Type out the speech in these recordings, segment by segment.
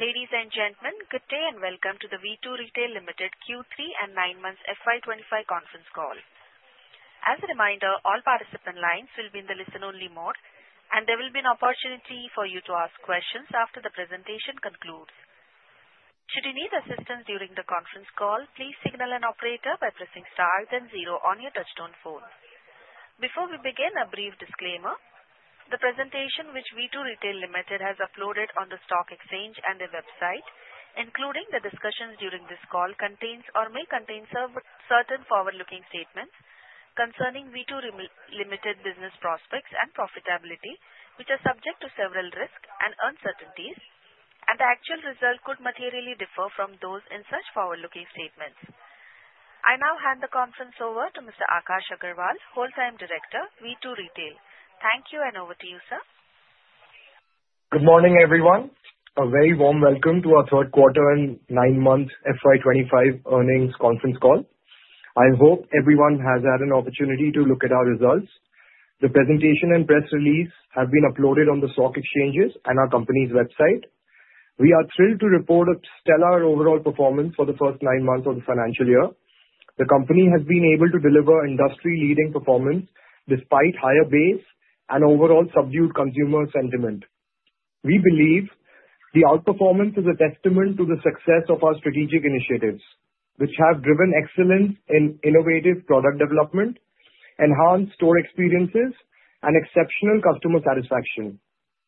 Ladies and gentlemen, good day and welcome to the V2 Retail Limited Q3 and nine months FY25 conference call. As a reminder, all participant lines will be in the listen-only mode, and there will be an opportunity for you to ask questions after the presentation concludes. Should you need assistance during the conference call, please signal an operator by pressing star then zero on your touch-tone phone. Before we begin, a brief disclaimer: the presentation which V2 Retail Limited has uploaded on the stock exchange and their website, including the discussions during this call, contains or may contain certain forward-looking statements concerning V2 Retail Limited's business prospects and profitability, which are subject to several risks and uncertainties, and the actual result could materially differ from those in such forward-looking statements. I now hand the conference over to Mr. Akash Agarwal, Whole Time Director, V2 Retail. Thank you, and over to you, sir. Good morning, everyone. A very warm welcome to our third quarter and nine months FY25 earnings conference call. I hope everyone has had an opportunity to look at our results. The presentation and press release have been uploaded on the stock exchanges and our company's website. We are thrilled to report a stellar overall performance for the first nine months of the financial year. The company has been able to deliver industry-leading performance despite higher base and overall subdued consumer sentiment. We believe the outperformance is a testament to the success of our strategic initiatives, which have driven excellence in innovative product development, enhanced store experiences, and exceptional customer satisfaction.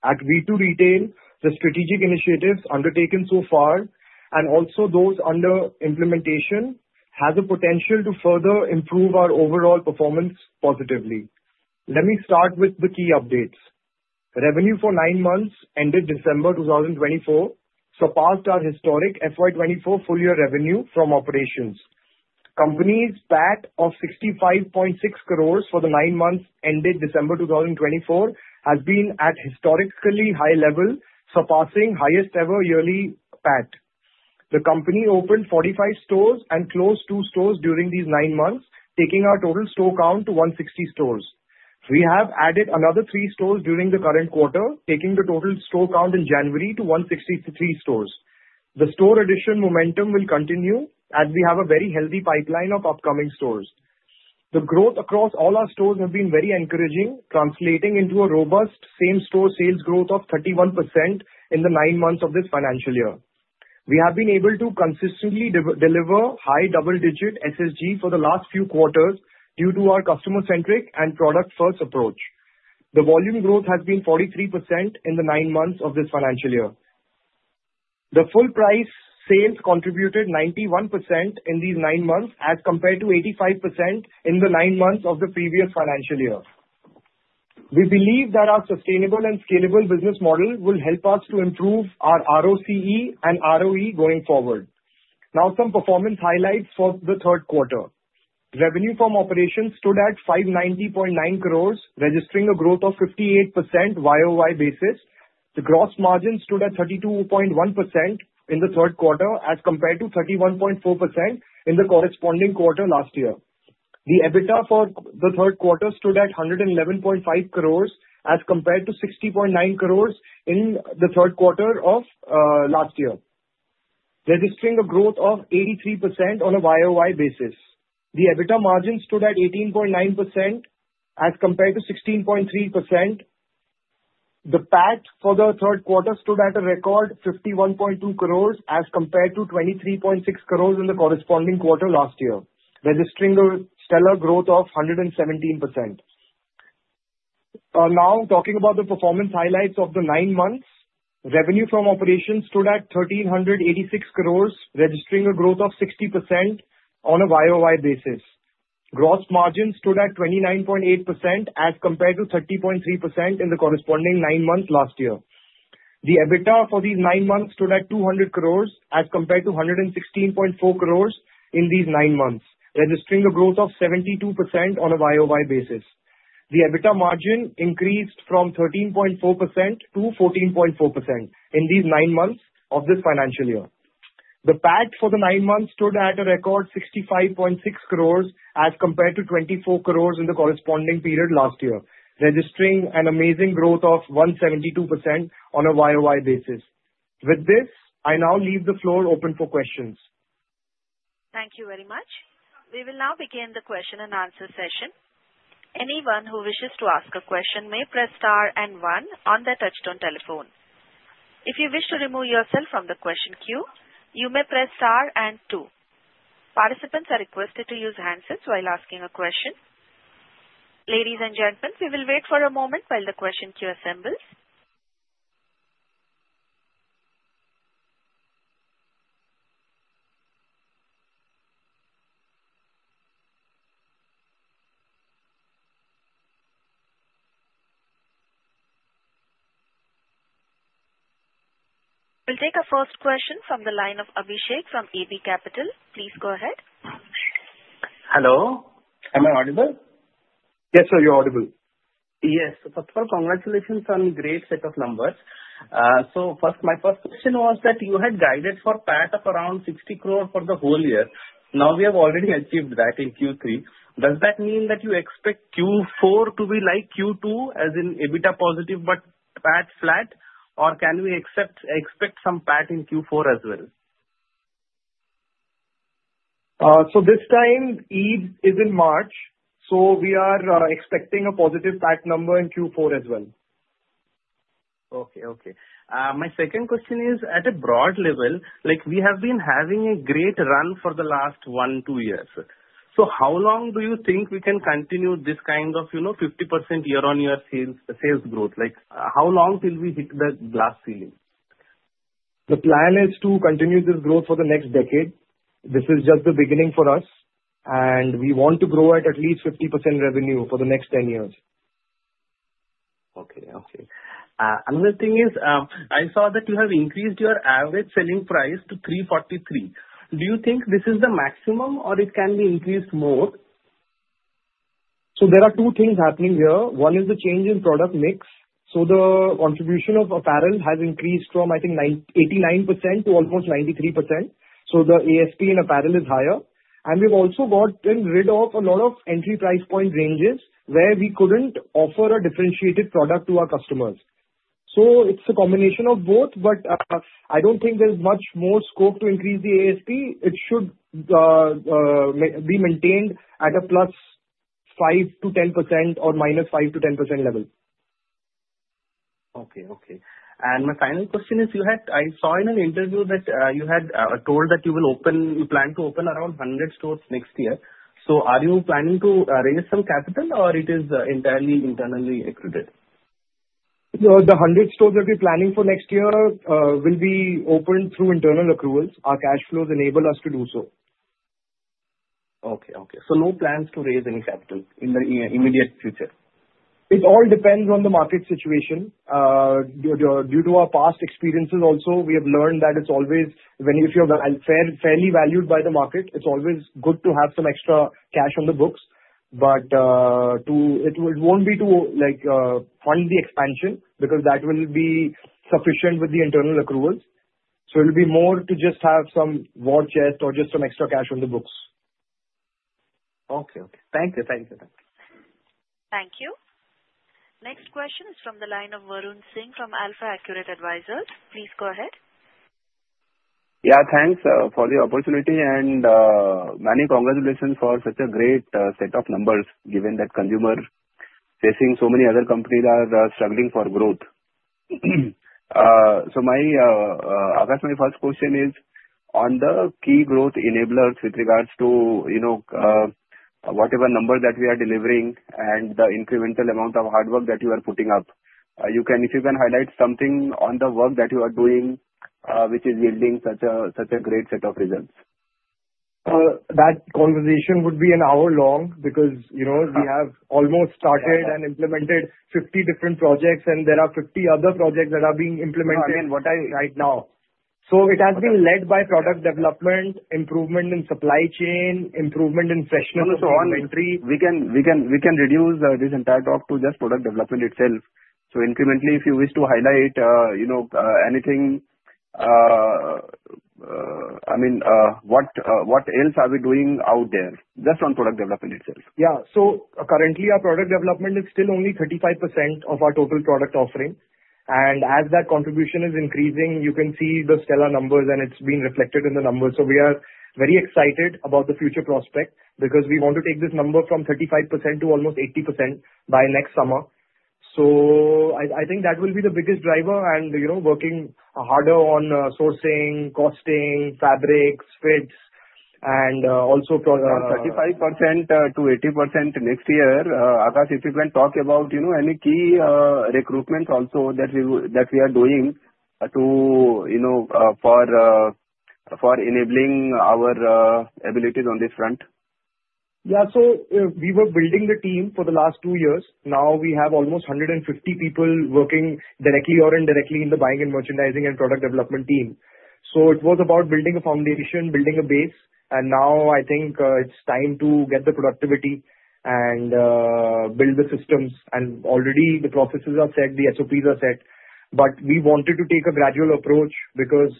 At V2 Retail, the strategic initiatives undertaken so far, and also those under implementation, have the potential to further improve our overall performance positively. Let me start with the key updates. Revenue for nine months ended December 2024 surpassed our historic FY24 full-year revenue from operations. Company's PAT of 65.6 crores for the nine months ended December 2024 has been at historically high level, surpassing highest-ever yearly PAT. The company opened 45 stores and closed two stores during these nine months, taking our total store count to 160 stores. We have added another three stores during the current quarter, taking the total store count in January to 163 stores. The store addition momentum will continue as we have a very healthy pipeline of upcoming stores. The growth across all our stores has been very encouraging, translating into a robust same-store sales growth of 31% in the nine months of this financial year. We have been able to consistently deliver high double-digit SSG for the last few quarters due to our customer-centric and product-first approach. The volume growth has been 43% in the nine months of this financial year. The full-price sales contributed 91% in these nine months as compared to 85% in the nine months of the previous financial year. We believe that our sustainable and scalable business model will help us to improve our ROCE and ROE going forward. Now, some performance highlights for the third quarter. Revenue from operations stood at 590.9 crores, registering a growth of 58% YOY basis. The gross margin stood at 32.1% in the third quarter as compared to 31.4% in the corresponding quarter last year. The EBITDA for the third quarter stood at 111.5 crores as compared to 60.9 crores in the third quarter of last year, registering a growth of 83% on a YOY basis. The EBITDA margin stood at 18.9% as compared to 16.3%. The PAT for the third quarter stood at a record 51.2 crores as compared to 23.6 crores in the corresponding quarter last year, registering a stellar growth of 117%. Now, talking about the performance highlights of the nine months, revenue from operations stood at 1,386 crores, registering a growth of 60% on a YOY basis. Gross margin stood at 29.8% as compared to 30.3% in the corresponding nine months last year. The EBITDA for these nine months stood at 200 crores as compared to 116.4 crores in these nine months, registering a growth of 72% on a YOY basis. The EBITDA margin increased from 13.4% to 14.4% in these nine months of this financial year. The PAT for the nine months stood at a record 65.6 crores as compared to 24 crores in the corresponding period last year, registering an amazing growth of 172% on a YOY basis. With this, I now leave the floor open for questions. Thank you very much. We will now begin the question and answer session. Anyone who wishes to ask a question may press star and one on their touch-tone telephone. If you wish to remove yourself from the question queue, you may press star and two. Participants are requested to use handsets while asking a question. Ladies and gentlemen, we will wait for a moment while the question queue assembles. We'll take a first question from the line of Abhishek from Jupiter Capital. Please go ahead. Hello. Am I audible? Yes, sir. You're audible. Yes. So first of all, congratulations on a great set of numbers. So my first question was that you had guided for PAT of around 60 crores for the whole year. Now we have already achieved that in Q3. Does that mean that you expect Q4 to be like Q2, as in EBITDA positive but PAT flat, or can we expect some PAT in Q4 as well? So this time, Eid is in March, so we are expecting a positive PAT number in Q4 as well. Okay. Okay. My second question is, at a broad level, we have been having a great run for the last one, two years. So how long do you think we can continue this kind of 50% year-on-year sales growth? How long till we hit the glass ceiling? The plan is to continue this growth for the next decade. This is just the beginning for us, and we want to grow at least 50% revenue for the next 10 years. Okay. Another thing is, I saw that you have increased your average selling price to 343. Do you think this is the maximum, or it can be increased more? So there are two things happening here. One is the change in product mix. So the contribution of apparel has increased from, I think, 89% to almost 93%. So the ASP in apparel is higher. And we've also gotten rid of a lot of entry price point ranges where we couldn't offer a differentiated product to our customers. So it's a combination of both, but I don't think there's much more scope to increase the ASP. It should be maintained at a plus 5%-10% or minus 5%-10% level. And my final question is, I saw in an interview that you had told that you plan to open around 100 stores next year. So are you planning to raise some capital, or it is entirely internal accruals? The 100 stores that we're planning for next year will be opened through internal accruals. Our cash flows enable us to do so. Okay. So no plans to raise any capital in the immediate future? It all depends on the market situation. Due to our past experiences, also, we have learned that if you're fairly valued by the market, it's always good to have some extra cash on the books. But it won't be to fund the expansion because that will be sufficient with the internal accruals. So it'll be more to just have some war chest or just some extra cash on the books. Okay. Okay. Thank you. Thank you. Thank you. Thank you. Next question is from the line of Varun Singh from AlfaAccurate Advisors. Please go ahead. Yeah. Thanks for the opportunity, and many congratulations for such a great set of numbers, given that consumer-facing so many other companies are struggling for growth. So my first question is, on the key growth enablers with regards to whatever number that we are delivering and the incremental amount of hard work that you are putting up, if you can highlight something on the work that you are doing which is yielding such a great set of results? That conversation would be an hour long because we have almost started and implemented 50 different projects, and there are 50 other projects that are being implemented. I mean, what I... Right now. So it has been led by product development, improvement in supply chain, improvement in freshness of the inventory. We can reduce this entire talk to just product development itself. So incrementally, if you wish to highlight anything, I mean, what else are we doing out there? Just on product development itself. Yeah. So currently, our product development is still only 35% of our total product offering. And as that contribution is increasing, you can see the stellar numbers, and it's being reflected in the numbers. So we are very excited about the future prospect because we want to take this number from 35% to almost 80% by next summer. So I think that will be the biggest driver, and working harder on sourcing, costing, fabrics, fits, and also... From 35% to 80% next year, Akash, if you can talk about any key recruitments also that we are doing for enabling our abilities on this front. Yeah. So we were building the team for the last two years. Now we have almost 150 people working directly or indirectly in the buying and merchandising and product development team. So it was about building a foundation, building a base. And now I think it's time to get the productivity and build the systems. And already the processes are set. The SOPs are set. But we wanted to take a gradual approach because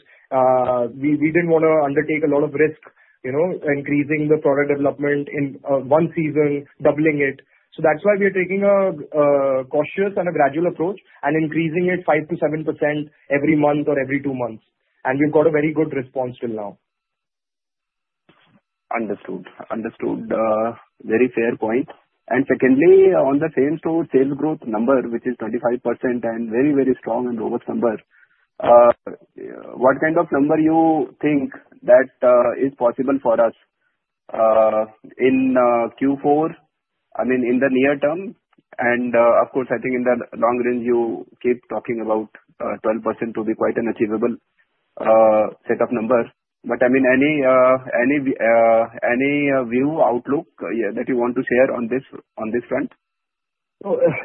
we didn't want to undertake a lot of risk, increasing the product development in one season, doubling it. So that's why we are taking a cautious and a gradual approach and increasing it 5%-7% every month or every two months. And we've got a very good response till now. Understood. Understood. Very fair point. And secondly, on the same store, sales growth number, which is 25% and very, very strong and robust number, what kind of number you think that is possible for us in Q4, I mean, in the near term? And of course, I think in the long run, you keep talking about 12% to be quite an achievable set of numbers. But I mean, any view, outlook that you want to share on this front?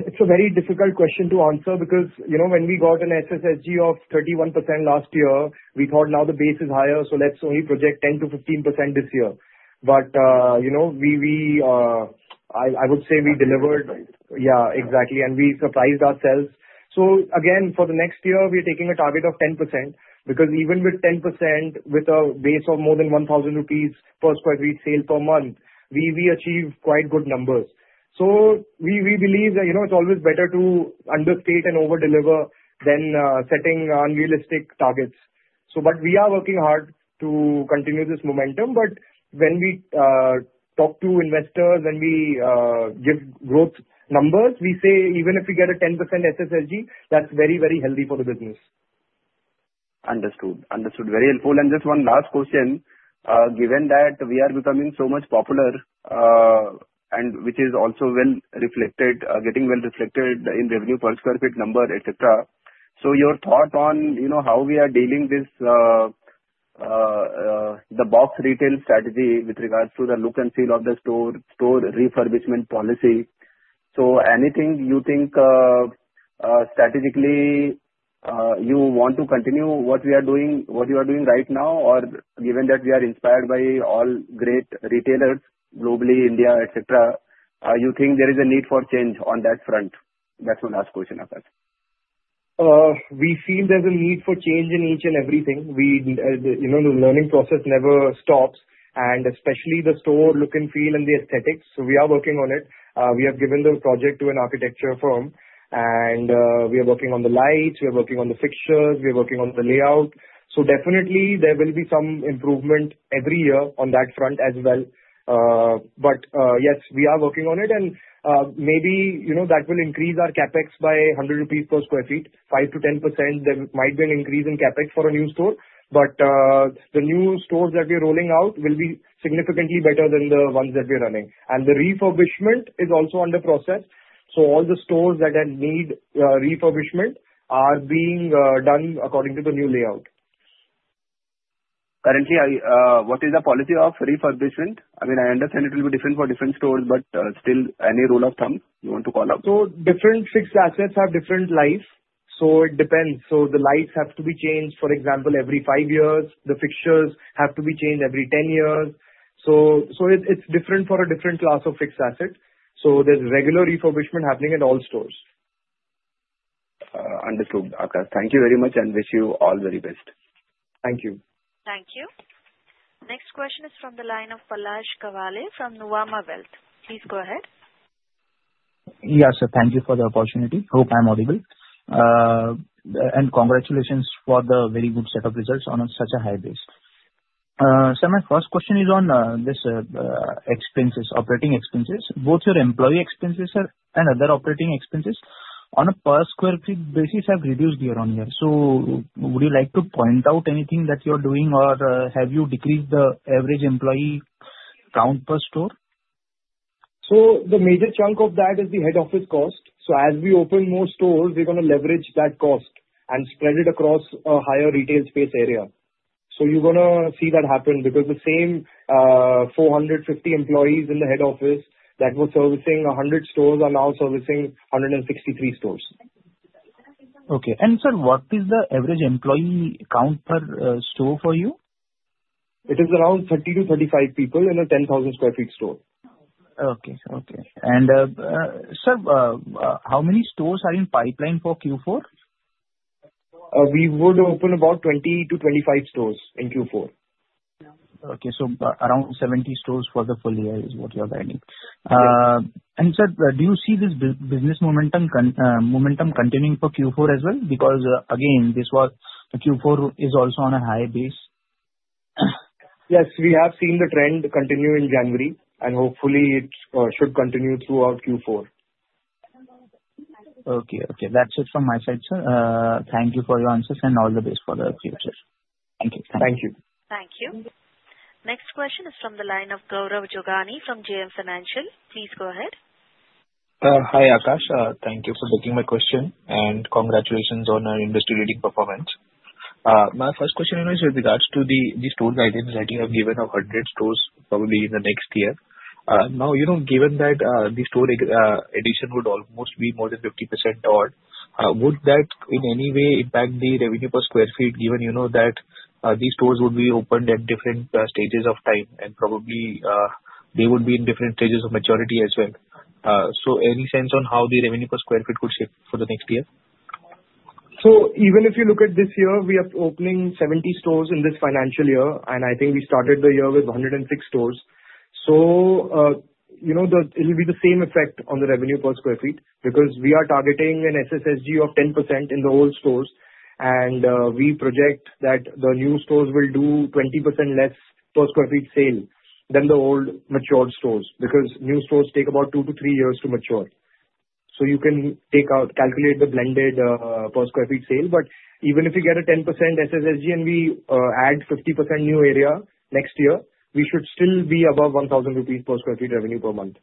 It's a very difficult question to answer because when we got an SSG of 31% last year, we thought now the base is higher, so let's only project 10%-15% this year. But I would say we delivered. Right. Yeah. Exactly, and we surprised ourselves. So again, for the next year, we are taking a target of 10% because even with 10%, with a base of more than 1,000 rupees per sq ft sale per month, we achieve quite good numbers. So we believe it's always better to understate and overdeliver than setting unrealistic targets. But we are working hard to continue this momentum. But when we talk to investors and we give growth numbers, we say even if we get a 10% SSG, that's very, very healthy for the business. Understood. Understood. Very helpful. And just one last question. Given that we are becoming so much popular, which is also getting well reflected in revenue per sq ft number, etc., so your thought on how we are dealing with the box retail strategy with regards to the look and feel of the store refurbishment policy, so anything you think strategically you want to continue what you are doing right now, or given that we are inspired by all great retailers globally, India, etc., you think there is a need for change on that front? That's my last question, Akash. We feel there's a need for change in each and everything. The learning process never stops, and especially the store look and feel and the aesthetics, so we are working on it. We have given the project to an architecture firm, and we are working on the lights. We are working on the fixtures. We are working on the layout, so definitely, there will be some improvement every year on that front as well, but yes, we are working on it, and maybe that will increase our CapEx by 100 rupees per sq ft, 5%-10%. There might be an increase in CapEx for a new store, but the new stores that we are rolling out will be significantly better than the ones that we are running, and the refurbishment is also under process, so all the stores that need refurbishment are being done according to the new layout. Currently, what is the policy of refurbishment? I mean, I understand it will be different for different stores, but still, any rule of thumb you want to call out? Different fixed assets have different lives. It depends. The lights have to be changed, for example, every five years. The fixtures have to be changed every 10 years. It's different for a different class of fixed asset. There's regular refurbishment happening at all stores. Understood, Akash. Thank you very much, and wish you all the very best. Thank you. Thank you. Next question is from the line of Palash Kawale from Nuvama Wealth. Please go ahead. Yes, sir. Thank you for the opportunity. Hope I'm audible, and congratulations for the very good set of results on such a high base, so my first question is on this operating expenses. Both your employee expenses and other operating expenses on a per square feet basis have reduced year on year, so would you like to point out anything that you are doing, or have you decreased the average employee count per store? The major chunk of that is the head office cost. As we open more stores, we're going to leverage that cost and spread it across a higher retail space area. You're going to see that happen because the same 450 employees in the head office that were servicing 100 stores are now servicing 163 stores. Okay. And sir, what is the average employee count per store for you? It is around 30 to 35 people in a 10,000 sq ft store. Okay. Sir, how many stores are in pipeline for Q4? We would open about 20 stores -25 stores in Q4. Okay. So around 70 stores for the full year is what you are planning. And sir, do you see this business momentum continuing for Q4 as well? Because again, Q4 is also on a high base. Yes. We have seen the trend continue in January, and hopefully, it should continue throughout Q4. Okay. Okay. That's it from my side, sir. Thank you for your answers and all the best for the future. Thank you. Thank you. Thank you. Next question is from the line of Gaurav Jogani from JM Financial. Please go ahead. Hi, Akash. Thank you for taking my question, and congratulations on our industry-leading performance. My first question is with regards to the store guidance we've given of 100 stores probably in the next year. Now, given that the store addition would almost be more than 50%, would that in any way impact the revenue per square feet given that these stores would be opened at different stages of time, and probably they would be in different stages of maturity as well? So any sense on how the revenue per square feet could shift for the next year? So even if you look at this year, we are opening 70 stores in this financial year, and I think we started the year with 106 stores. So it will be the same effect on the revenue per sq ft because we are targeting an SSG of 10% in the old stores. And we project that the new stores will do 20% less per sq ft sale than the old matured stores because new stores take about two to three years to mature. So you can calculate the blended per sq ft sale. But even if you get a 10% SSG and we add 50% new area next year, we should still be above 1,000 rupees per sq ft revenue per month.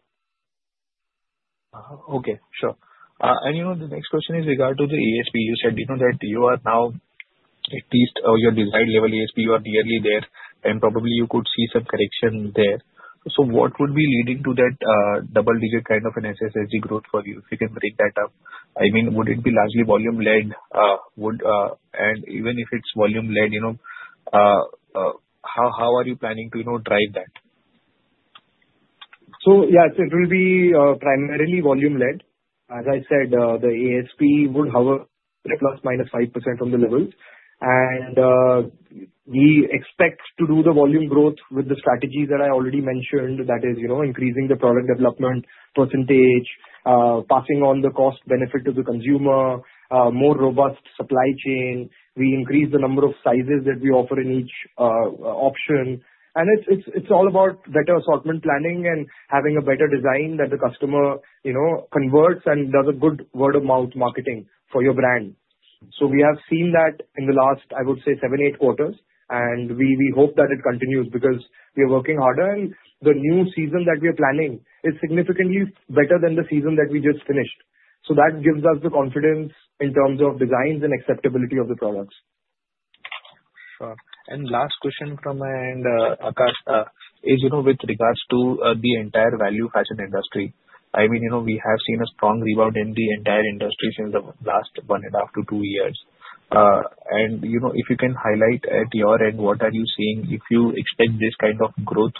Okay. Sure. And the next question is regarding the ASP. You said that you are now at your desired level. ASP is nearly there, and probably you could see some correction there. So what would be leading to that double-digit kind of an SSG growth for you if you can break that up? I mean, would it be largely volume-led? And even if it's volume-led, how are you planning to drive that? So yeah, it will be primarily volume-led. As I said, the ASP would hover at plus minus 5% on the levels. And we expect to do the volume growth with the strategy that I already mentioned, that is increasing the product development percentage, passing on the cost benefit to the consumer, more robust supply chain. We increase the number of sizes that we offer in each option. And it's all about better assortment planning and having a better design that the customer converts and does a good word-of-mouth marketing for your brand. So we have seen that in the last, I would say, seven, eight quarters. And we hope that it continues because we are working harder, and the new season that we are planning is significantly better than the season that we just finished. So that gives us the confidence in terms of designs and acceptability of the products. Sure. And last question from my end, Akash, is with regards to the entire value-fashion industry. I mean, we have seen a strong rebound in the entire industry since the last one and a half to two years. And if you can highlight at your end, what are you seeing if you expect this kind of growth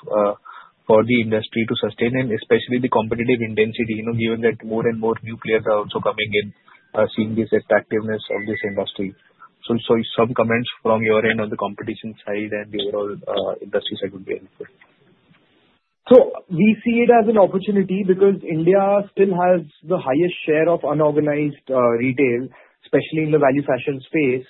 for the industry to sustain, and especially the competitive intensity, given that more and more new players are also coming in, seeing this attractiveness of this industry? So some comments from your end on the competition side and the overall industry side would be helpful. So we see it as an opportunity because India still has the highest share of unorganized retail, especially in the value-fashion space.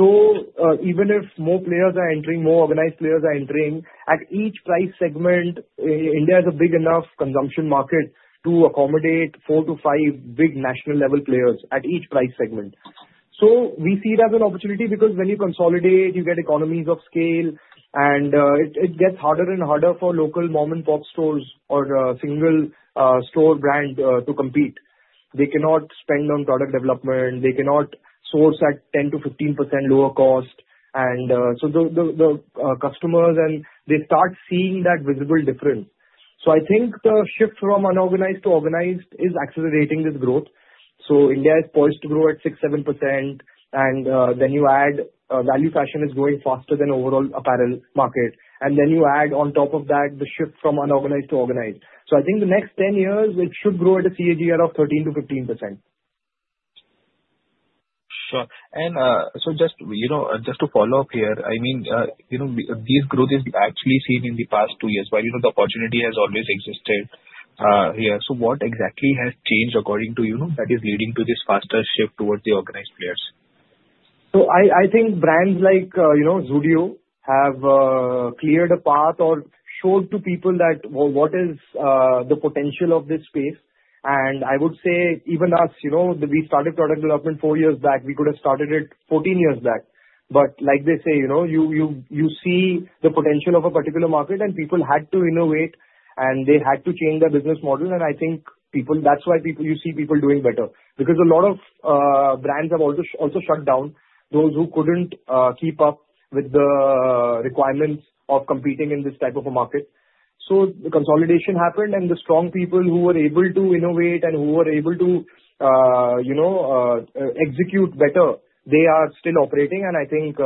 So even if more players are entering, more organized players are entering, at each price segment, India is a big enough consumption market to accommodate four to five big national-level players at each price segment. So we see it as an opportunity because when you consolidate, you get economies of scale, and it gets harder and harder for local mom-and-pop stores or single store brand to compete. They cannot spend on product development. They cannot source at 10%-15% lower cost. And so the customers, they start seeing that visible difference. So I think the shift from unorganized to organized is accelerating this growth. So India is poised to grow at 6%-7%. And then you add value-fashion is growing faster than overall apparel market. And then you add on top of that the shift from unorganized to organized. So I think the next 10 years, it should grow at a CAGR of 13%-15%. Sure. And so just to follow up here, I mean, this growth is actually seen in the past two years where the opportunity has always existed here. So what exactly has changed according to you that is leading to this faster shift towards the organized players? I think brands like Zudio have cleared a path or showed to people what is the potential of this space. I would say even us, we started product development four years back. We could have started it 14 years back. Like they say, you see the potential of a particular market, and people had to innovate, and they had to change their business model. I think that's why you see people doing better because a lot of brands have also shut down those who couldn't keep up with the requirements of competing in this type of a market. The consolidation happened, and the strong people who were able to innovate and who were able to execute better, they are still operating. I think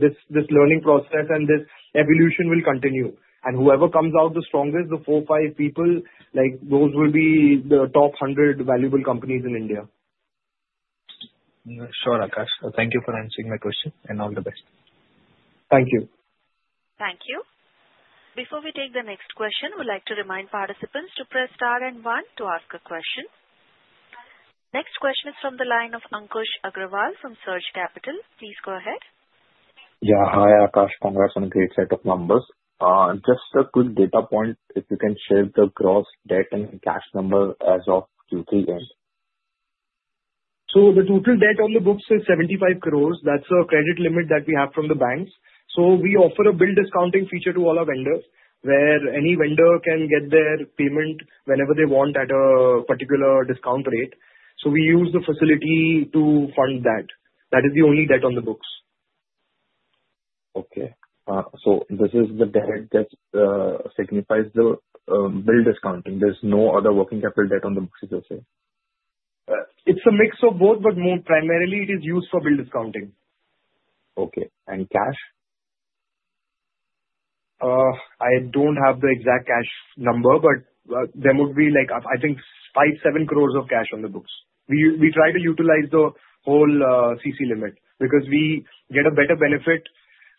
this learning process and this evolution will continue. Whoever comes out the strongest, the four, five people, those will be the top 100 valuable companies in India. Sure, Akash. Thank you for answering my question, and all the best. Thank you. Thank you. Before we take the next question, we'd like to remind participants to press star and one to ask a question. Next question is from the line of Ankush Agrawal from Surge Capital. Please go ahead. Yeah. Hi, Akash. Congrats on a great set of numbers. Just a quick data point. If you can share the gross debt and cash number as of Q3 end. So the total debt on the books is 75 crores. That's a credit limit that we have from the banks. So we offer a bill discounting feature to all our vendors where any vendor can get their payment whenever they want at a particular discount rate. So we use the facility to fund that. That is the only debt on the books. Okay. This is the debt that signifies the bill discounting. There's no other working capital debt on the books, as you say? It's a mix of both, but primarily, it is used for bill discounting. Okay. And cash? I don't have the exact cash number, but there would be, I think, 5-7 crores of cash on the books. We try to utilize the whole CC limit because we get a better benefit.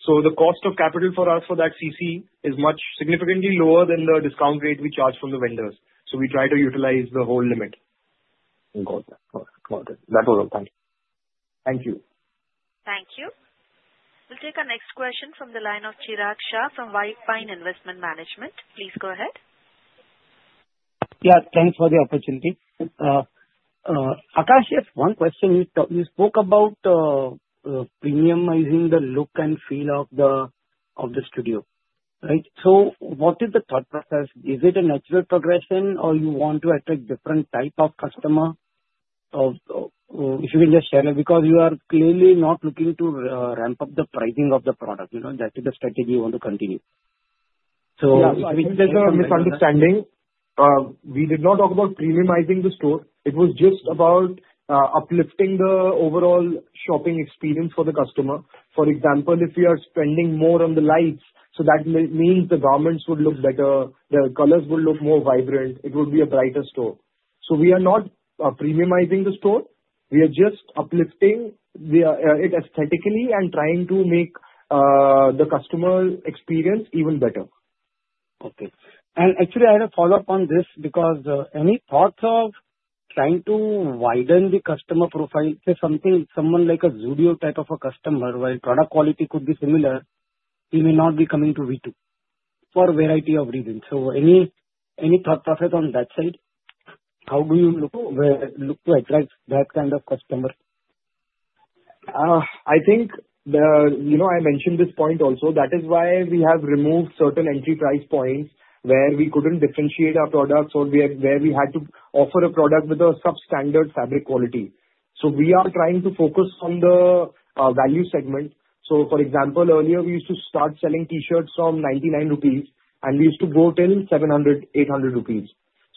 So the cost of capital for us for that CC is significantly lower than the discount rate we charge from the vendors. So we try to utilize the whole limit. Got it. Got it. That was all. Thank you. Thank you. Thank you. We'll take our next question from the line of Chirag Shah from White Pine Investment Management. Please go ahead. Yeah. Thanks for the opportunity. Akash, just one question. You spoke about premiumizing the look and feel of the store, right? So what is the thought process? Is it a natural progression, or you want to attract a different type of customer? If you can just share it because you are clearly not looking to ramp up the pricing of the product. That is the strategy you want to continue. Yeah. If there's a misunderstanding, we did not talk about premiumizing the store. It was just about uplifting the overall shopping experience for the customer. For example, if we are spending more on the lights, so that means the garments would look better. The colors would look more vibrant. It would be a brighter store. So we are not premiumizing the store. We are just uplifting it aesthetically and trying to make the customer experience even better. Okay. And actually, I had a follow-up on this because any thoughts of trying to widen the customer profile to someone like a Zudio type of a customer where product quality could be similar, he may not be coming to V2 for a variety of reasons. So any thought process on that side? How do you look to attract that kind of customer? I think I mentioned this point also. That is why we have removed certain entry price points where we couldn't differentiate our products or where we had to offer a product with a substandard fabric quality. So we are trying to focus on the value segment. So for example, earlier, we used to start selling T-shirts from 99 rupees, and we used to go till 700 rupees, 800 rupees.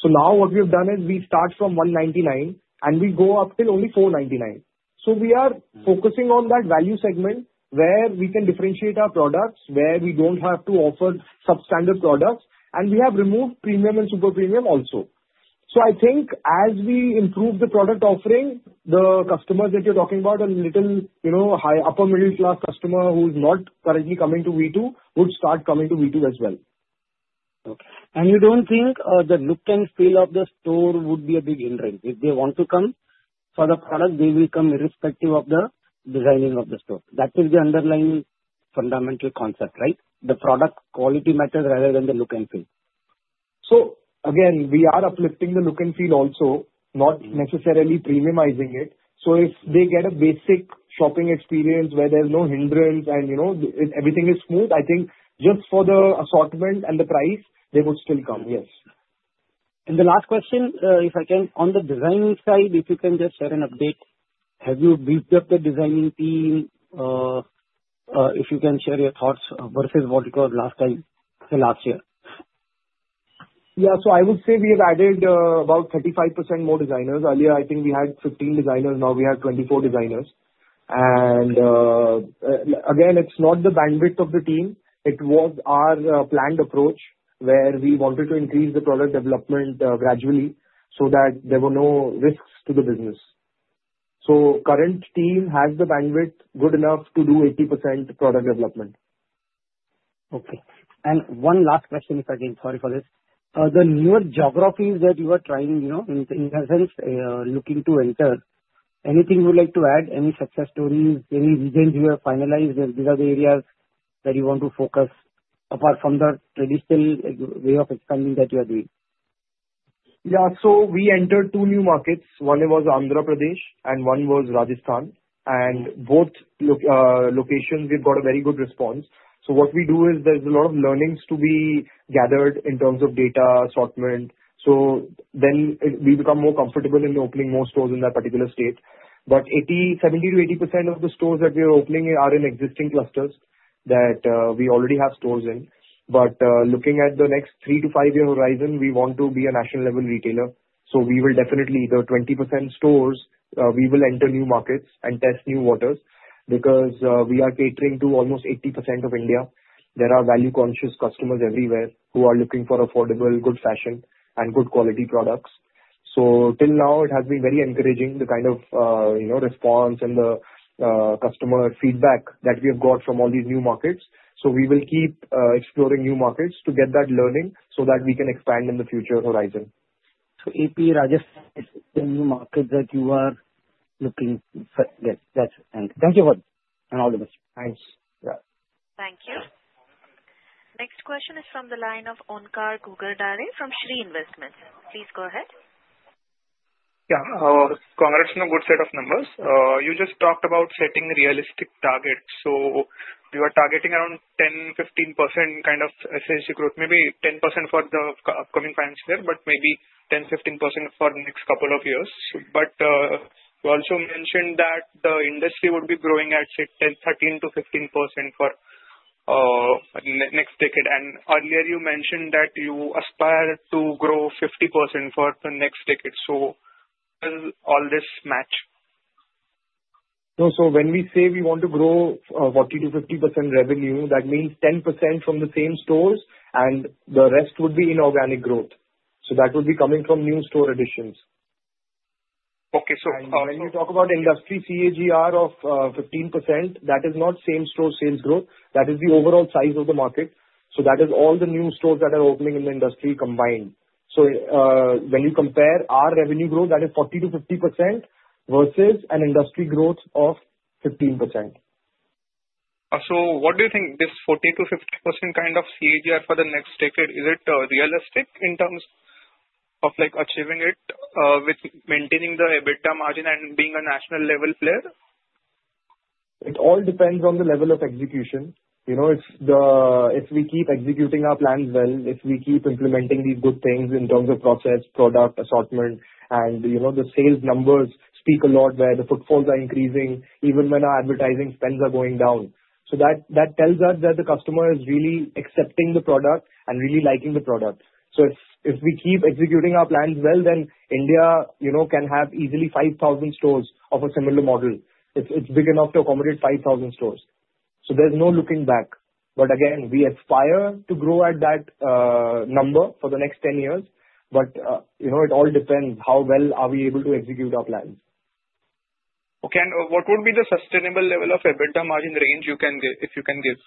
So now what we have done is we start from 199, and we go up till only 499. So we are focusing on that value segment where we can differentiate our products, where we don't have to offer substandard products, and we have removed premium and super premium also. So I think as we improve the product offering, the customers that you're talking about are a little upper-middle-class customer who is not currently coming to V2 would start coming to V2 as well. Okay. And you don't think the look and feel of the store would be a big hindrance? If they want to come for the product, they will come irrespective of the designing of the store. That is the underlying fundamental concept, right? The product quality matters rather than the look and feel. So again, we are uplifting the look and feel also, not necessarily premiumizing it. So if they get a basic shopping experience where there's no hindrance and everything is smooth, I think just for the assortment and the price, they would still come. Yes. The last question, if I can, on the designing side, if you can just share an update. Have you beefed up the designing team? If you can share your thoughts versus what it was last time last year? Yeah, so I would say we have added about 35% more designers. Earlier, I think we had 15 designers. Now we have 24 designers, and again, it's not the bandwidth of the team. It was our planned approach where we wanted to increase the product development gradually so that there were no risks to the business, so the current team has the bandwidth good enough to do 80% product development. Okay. And one last question, if I can. Sorry for this. The newer geographies that you are trying, in essence, looking to enter, anything you would like to add? Any success stories, any reasons you have finalized? These are the areas that you want to focus apart from the traditional way of expanding that you are doing? Yeah. So we entered two new markets. One was Andhra Pradesh, and one was Rajasthan. And both locations, we've got a very good response. So what we do is there's a lot of learnings to be gathered in terms of data assortment. So then we become more comfortable in opening more stores in that particular state. But 70%-80% of the stores that we are opening are in existing clusters that we already have stores in. But looking at the next three to five-year horizon, we want to be a national-level retailer. So we will definitely either 20% stores, we will enter new markets and test new waters because we are catering to almost 80% of India. There are value-conscious customers everywhere who are looking for affordable, good fashion, and good quality products. So till now, it has been very encouraging, the kind of response and the customer feedback that we have got from all these new markets. So we will keep exploring new markets to get that learning so that we can expand in the future horizon. So AP, Rajasthan, is the new market that you are looking for? Yes. That's it. Thank you for all the questions. Thanks. Yeah. Thank you. Next question is from the line of Onkar Ghugardare from Shree Investments. Please go ahead. Yeah. Congrats on a good set of numbers. You just talked about setting realistic targets. So we were targeting around 10%-15% kind of SSG growth, maybe 10% for the upcoming financial year, but maybe 10%-15% for the next couple of years. But you also mentioned that the industry would be growing at, say, 13%-15% for the next decade. And earlier, you mentioned that you aspire to grow 50% for the next decade. So does all this match? No. So when we say we want to grow 40%-50% revenue, that means 10% from the same stores, and the rest would be inorganic growth. So that would be coming from new store additions. And when you talk about industry CAGR of 15%, that is not same-store sales growth. That is the overall size of the market. So that is all the new stores that are opening in the industry combined. So when you compare our revenue growth, that is 40%-50% versus an industry growth of 15%. So what do you think this 40%-50% kind of CAGR for the next decade, is it realistic in terms of achieving it with maintaining the EBITDA margin and being a national-level player? It all depends on the level of execution. If we keep executing our plans well, if we keep implementing these good things in terms of process, product assortment, and the sales numbers speak a lot where the footfalls are increasing, even when our advertising spends are going down. So that tells us that the customer is really accepting the product and really liking the product. So if we keep executing our plans well, then India can have easily 5,000 stores of a similar model. It's big enough to accommodate 5,000 stores. So there's no looking back. But again, we aspire to grow at that number for the next 10 years. But it all depends how well are we able to execute our plans. Okay. And what would be the sustainable level of EBITDA margin range if you can give?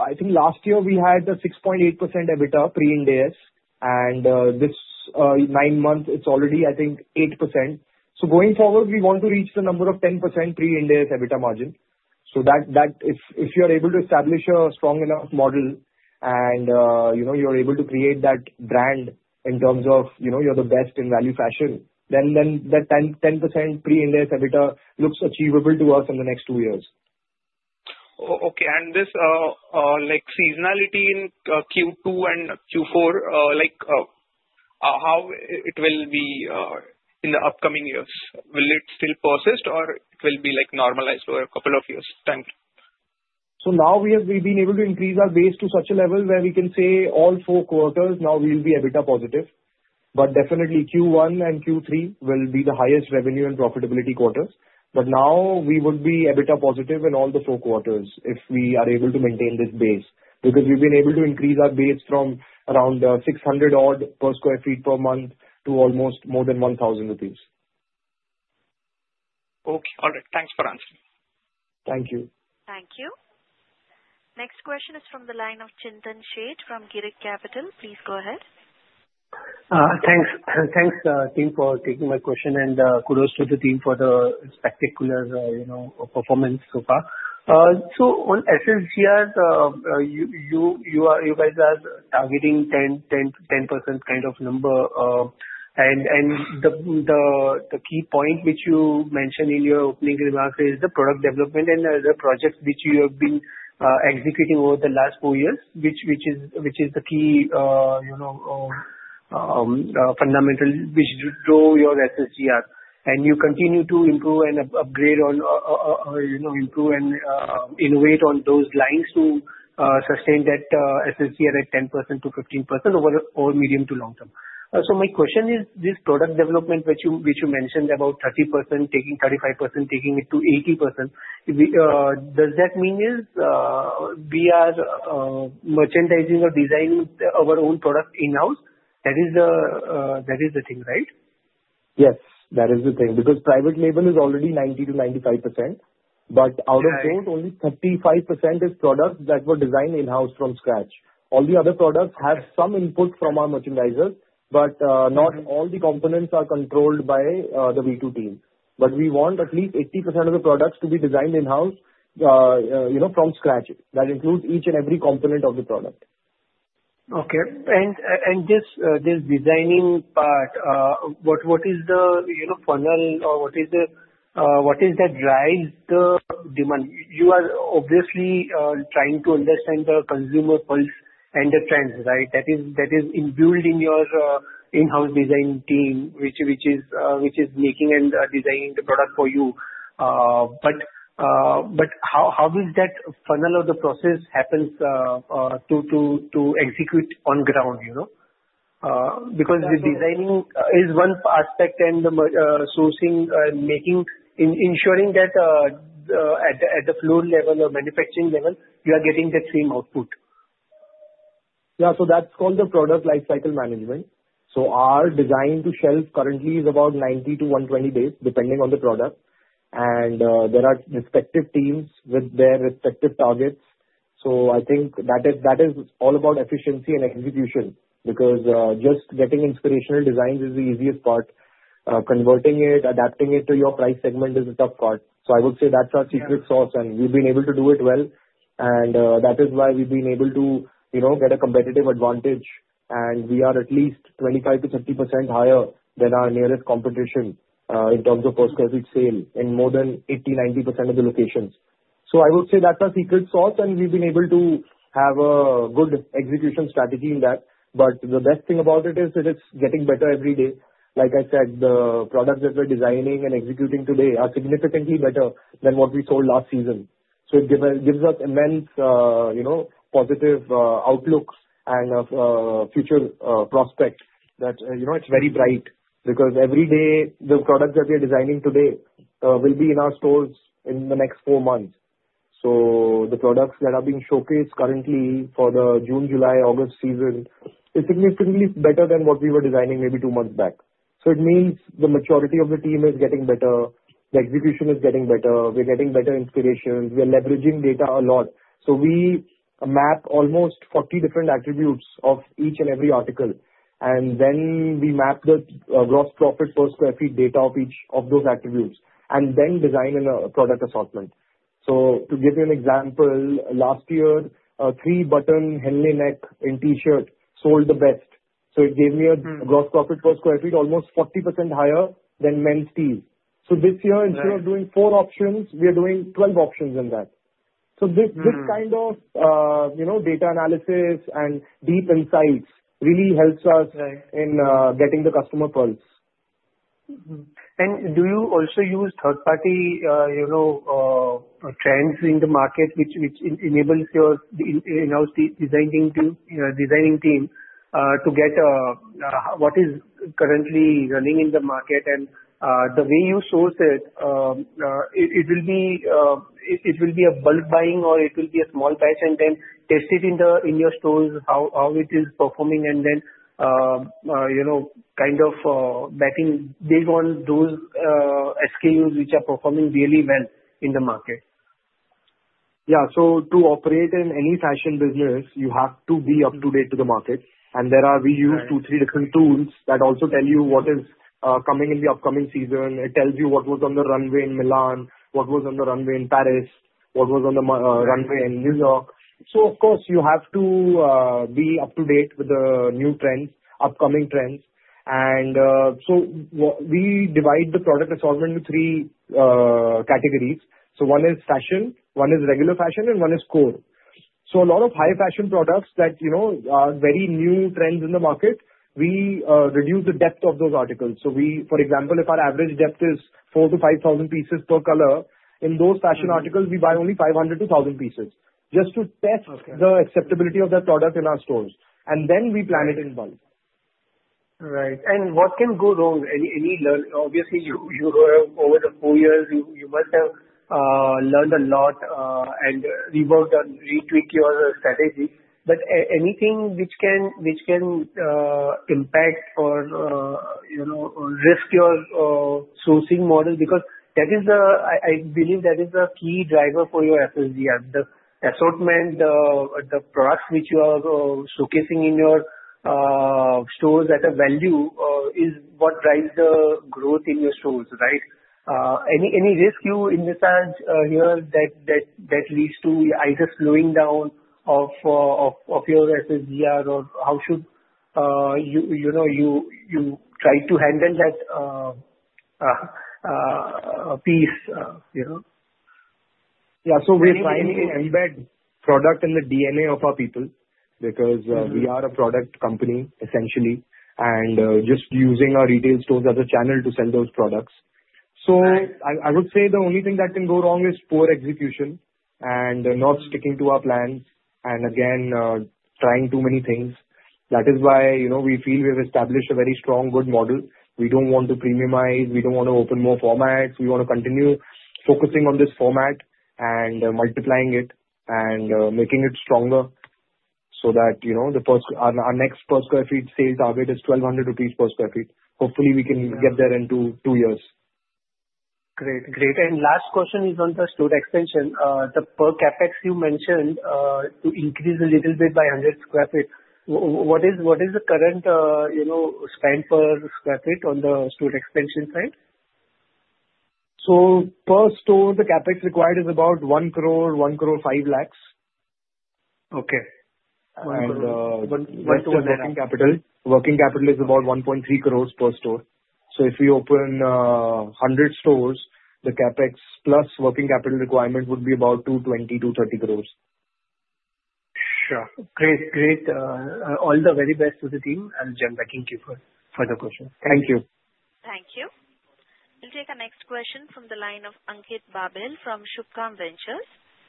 I think last year, we had a 6.8% EBITDA pre-Ind AS, and this nine months, it's already, I think, 8%. Going forward, we want to reach the number of 10% pre-Ind AS EBITDA margin. If you are able to establish a strong enough model and you are able to create that brand in terms of you're the best in value fashion, then that 10% pre-Ind AS EBITDA looks achievable to us in the next two years. Okay. And this seasonality in Q2 and Q4, how it will be in the upcoming years? Will it still persist, or it will be normalized over a couple of years' time? Now we have been able to increase our base to such a level where we can say all four quarters, now we'll be EBITDA positive. But definitely, Q1 and Q3 will be the highest revenue and profitability quarters. But now we would be EBITDA positive in all the four quarters if we are able to maintain this base because we've been able to increase our base from around 600 odd per sq ft per month to almost more than 1,000 rupees. Okay. All right. Thanks for answering. Thank you. Thank you. Next question is from the line of Chintan Sheth from Girik Capital. Please go ahead. Thanks, team, for taking my question, and kudos to the team for the spectacular performance so far. So on SSG, you guys are targeting 10% kind of number. And the key point which you mentioned in your opening remarks is the product development and the projects which you have been executing over the last four years, which is the key fundamental which drove your SSG. And you continue to improve and upgrade on improve and innovate on those lines to sustain that SSG at 10% to 15% over medium to long term. So my question is, this product development which you mentioned about 30%, taking 35%, taking it to 80%, does that mean we are merchandising or designing our own product in-house? That is the thing, right? Yes. That is the thing because private label is already 90%-95%. But out of those, only 35% is products that were designed in-house from scratch. All the other products have some input from our merchandisers, but not all the components are controlled by the V2 team. But we want at least 80% of the products to be designed in-house from scratch. That includes each and every component of the product. Okay. And this designing part, what is the funnel or what is that drives the demand? You are obviously trying to understand the consumer pulse and the trends, right? That is imbued in your in-house design team, which is making and designing the product for you. But how does that funnel or the process happen to execute on ground? Because designing is one aspect, and sourcing and making ensuring that at the floor level or manufacturing level, you are getting the same output. Yeah, so that's called the product lifecycle management, so our design to shelf currently is about 90 days to 120 days, depending on the product. And there are respective teams with their respective targets, so I think that is all about efficiency and execution because just getting inspirational designs is the easiest part. Converting it, adapting it to your price segment is a tough part, so I would say that's our secret sauce, and we've been able to do it well. And that is why we've been able to get a competitive advantage, and we are at least 25%-30% higher than our nearest competition in terms of per sq ft sale in more than 80%-90% of the locations, so I would say that's our secret sauce, and we've been able to have a good execution strategy in that. But the best thing about it is it's getting better every day. Like I said, the products that we're designing and executing today are significantly better than what we sold last season. So it gives us immense positive outlooks and future prospects that it's very bright because every day, the products that we are designing today will be in our stores in the next four months. So the products that are being showcased currently for the June, July, August season is significantly better than what we were designing maybe two months back. So it means the maturity of the team is getting better. The execution is getting better. We're getting better inspirations. We're leveraging data a lot. So we map almost 40 different attributes of each and every article. And then we map the gross profit per square feet data of those attributes and then design a product assortment. To give you an example, last year, three-button Henley Neck in T-shirt sold the best. It gave me a gross profit per sq ft almost 40% higher than men's tees. This year, instead of doing four options, we are doing 12 options in that. This kind of data analysis and deep insights really helps us in getting the customer pulse. Do you also use third-party trends in the market which enables your in-house designing team to get what is currently running in the market? The way you source it, it will be a bulk buying or it will be a small batch and then test it in your stores how it is performing and then kind of betting big on those SKUs which are performing really well in the market? Yeah. To operate in any fashion business, you have to be up to date with the market, and we use two, three different tools that also tell you what is coming in the upcoming season. It tells you what was on the runway in Milan, what was on the runway in Paris, what was on the runway in New York, so of course, you have to be up to date with the new trends, upcoming trends, and so we divide the product assortment into three categories: one is fashion, one is regular fashion, and one is core, so a lot of high-fashion products that are very new trends in the market, we reduce the depth of those articles. So for example, if our average depth is 4,000-5,000 pieces per color, in those fashion articles, we buy only 5,000-1,000 pieces just to test the acceptability of that product in our stores. And then we plan it in bulk. Right. And what can go wrong? Obviously, over the four years, you must have learned a lot and reworked and retweaked your strategy. But anything which can impact or risk your sourcing model? Because I believe that is a key driver for your SSG. The assortment, the products which you are showcasing in your stores at a value is what drives the growth in your stores, right? Any risk you envisage here that leads to SSG slowing down of your SSG, or how should you try to handle that piece? Yeah. So we're trying to embed product in the DNA of our people because we are a product company, essentially, and just using our retail stores as a channel to sell those products. So I would say the only thing that can go wrong is poor execution and not sticking to our plans and, again, trying too many things. That is why we feel we've established a very strong, good model. We don't want to premiumize. We don't want to open more formats. We want to continue focusing on this format and multiplying it and making it stronger so that our next per sq ft sale target is 1,200 rupees per sq ft. Hopefully, we can get there in two years. Great. And last question is on the store extension. The per CapEx you mentioned to increase a little bit by 100 sq ft. What is the current spend per sq ft on the store extension side? Per store, the CapEx required is about 1 crore, 1 crore, 5 lakhs. Okay. Working capital is about 1.3 crores per store. If we open 100 stores, the CapEx plus working capital requirement would be about 220-230 crores. Sure. Great. Great. All the very best to the team. And Jan, thank you for the question. Thank you. Thank you. We'll take a next question from the line of Ankit Babel from Subhkam Ventures.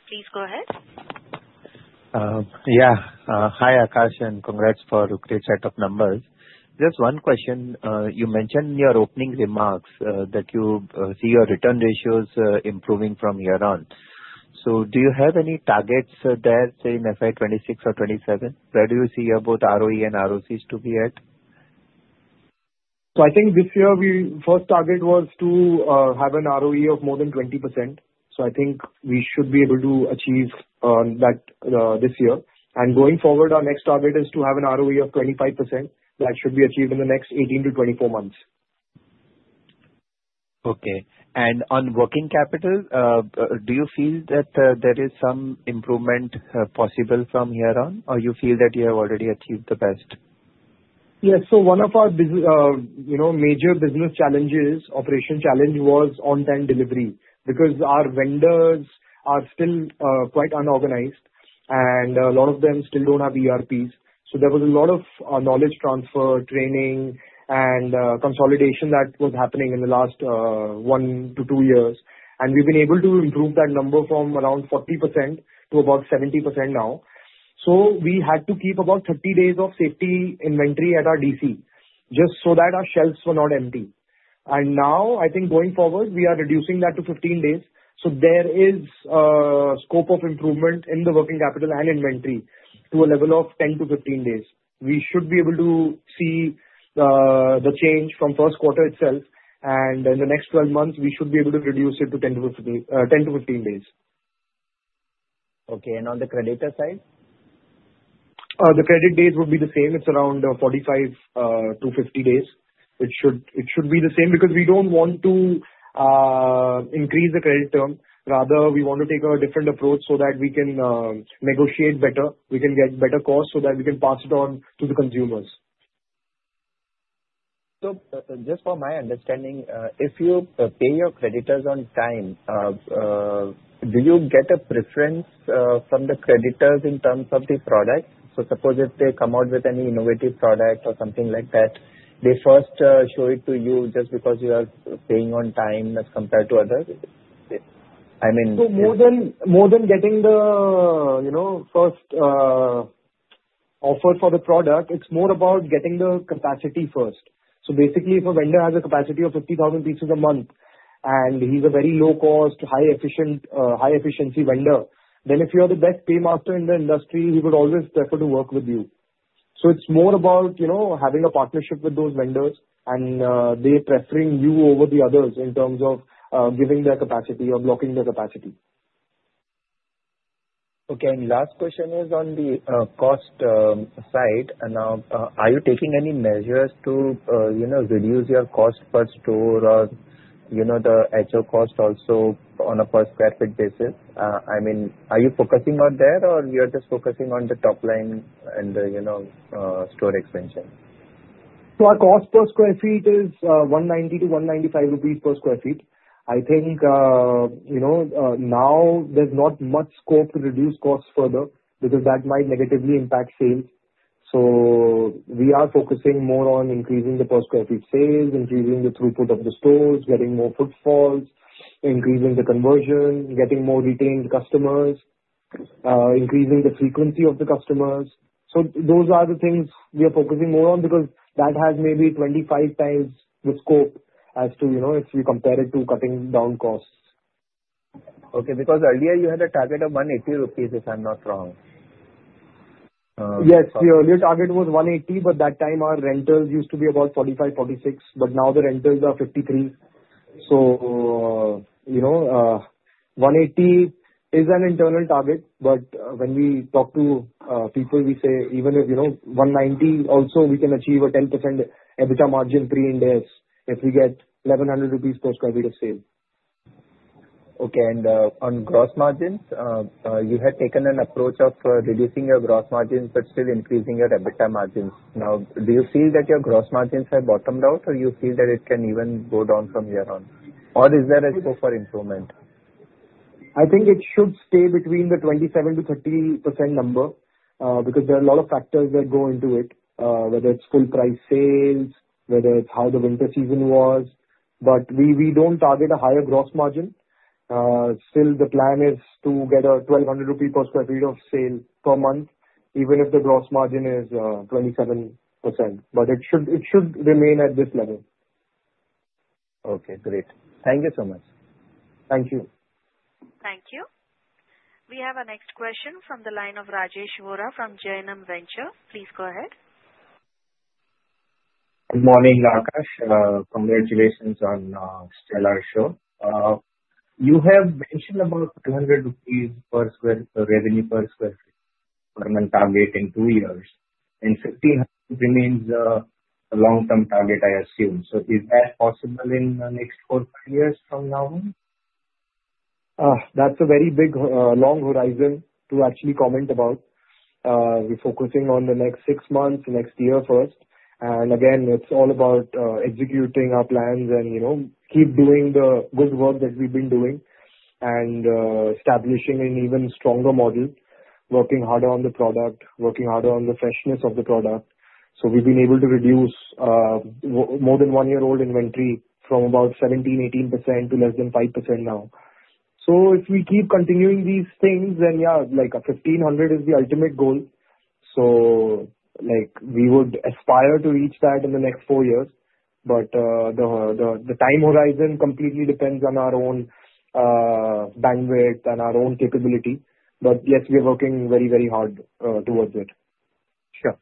Please go ahead. Yeah. Hi, Akash, and congrats for a great set of numbers. Just one question. You mentioned in your opening remarks that you see your return ratios improving from year on. So do you have any targets there, say, in FY 2026 or 2027? Where do you see both ROE and ROCE to be at? So I think this year, our first target was to have an ROE of more than 20%. So I think we should be able to achieve that this year. And going forward, our next target is to have an ROE of 25% that should be achieved in the next 18-24 months. Okay. And on working capital, do you feel that there is some improvement possible from year on, or do you feel that you have already achieved the best? Yes. One of our major business challenges, operational challenge, was on-time delivery because our vendors are still quite unorganized, and a lot of them still don't have ERPs. There was a lot of knowledge transfer, training, and consolidation that was happening in the last one to two years. We have been able to improve that number from around 40% to about 70% now. We had to keep about 30 days of safety inventory at our DC just so that our shelves were not empty. Now, I think going forward, we are reducing that to 15 days. There is a scope of improvement in the working capital and inventory to a level of 10 days to 15 days. We should be able to see the change from first quarter itself. In the next 12 months, we should be able to reduce it to 10 days to 15 days. Okay. And on the creditor side? The credit days would be the same. It's around 45 days -50 days. It should be the same because we don't want to increase the credit term. Rather, we want to take a different approach so that we can negotiate better. We can get better costs so that we can pass it on to the consumers. Just for my understanding, if you pay your creditors on time, do you get a preference from the creditors in terms of the product? Suppose if they come out with any innovative product or something like that, they first show it to you just because you are paying on time as compared to others? I mean. So more than getting the first offer for the product, it's more about getting the capacity first. So basically, if a vendor has a capacity of 50,000 pieces a month and he's a very low-cost, high-efficiency vendor, then if you are the best paymaster in the industry, he would always prefer to work with you. So it's more about having a partnership with those vendors and they preferring you over the others in terms of giving their capacity or blocking their capacity. Okay. And last question is on the cost side. Now, are you taking any measures to reduce your cost per store or the HO cost also on a per square feet basis? I mean, are you focusing on that, or you're just focusing on the top line and the store extension? So our cost per sq ft is 190-195 rupees per sq ft. I think now there's not much scope to reduce costs further because that might negatively impact sales. So we are focusing more on increasing the per sq ft sales, increasing the throughput of the stores, getting more footfalls, increasing the conversion, getting more retained customers, increasing the frequency of the customers. So those are the things we are focusing more on because that has maybe 25 times the scope as to if you compare it to cutting down costs. Okay. Because earlier, you had a target of 180 rupees, if I'm not wrong. Yes. The earlier target was 180, but that time, our rentals used to be about 45, 46, but now the rentals are 53. So 180 is an internal target, but when we talk to people, we say even if 190, also we can achieve a 10% EBITDA margin pre-Ind AS if we get 1,100 rupees per sq ft of sale. Okay. And on gross margins, you had taken an approach of reducing your gross margins but still increasing your EBITDA margins. Now, do you feel that your gross margins have bottomed out, or do you feel that it can even go down from here on? Or is there a scope for improvement? I think it should stay between the 27%-30% number because there are a lot of factors that go into it, whether it's full-price sales, whether it's how the winter season was. But we don't target a higher gross margin. Still, the plan is to get 1,200 rupee per sq ft of sale per month, even if the gross margin is 27%. But it should remain at this level. Okay. Great. Thank you so much. Thank you. Thank you. We have a next question from the line of Rajesh Vora from Jainmay Ventures. Please go ahead. Good morning, Akash. Congratulations on stellar show. You have mentioned about 200 rupees per sq ft revenue per sq ft target in two years. 50 remains a long-term target, I assume. So is that possible in the next four, five years from now? That's a very big long horizon to actually comment about. We're focusing on the next six months, next year first. And again, it's all about executing our plans and keep doing the good work that we've been doing and establishing an even stronger model, working harder on the product, working harder on the freshness of the product. So we've been able to reduce more than one-year-old inventory from about 17%-18% to less than 5% now. So if we keep continuing these things, then yeah, like 1,500 is the ultimate goal. So we would aspire to reach that in the next four years. But the time horizon completely depends on our own bandwidth and our own capability. But yes, we are working very, very hard towards it. Sure.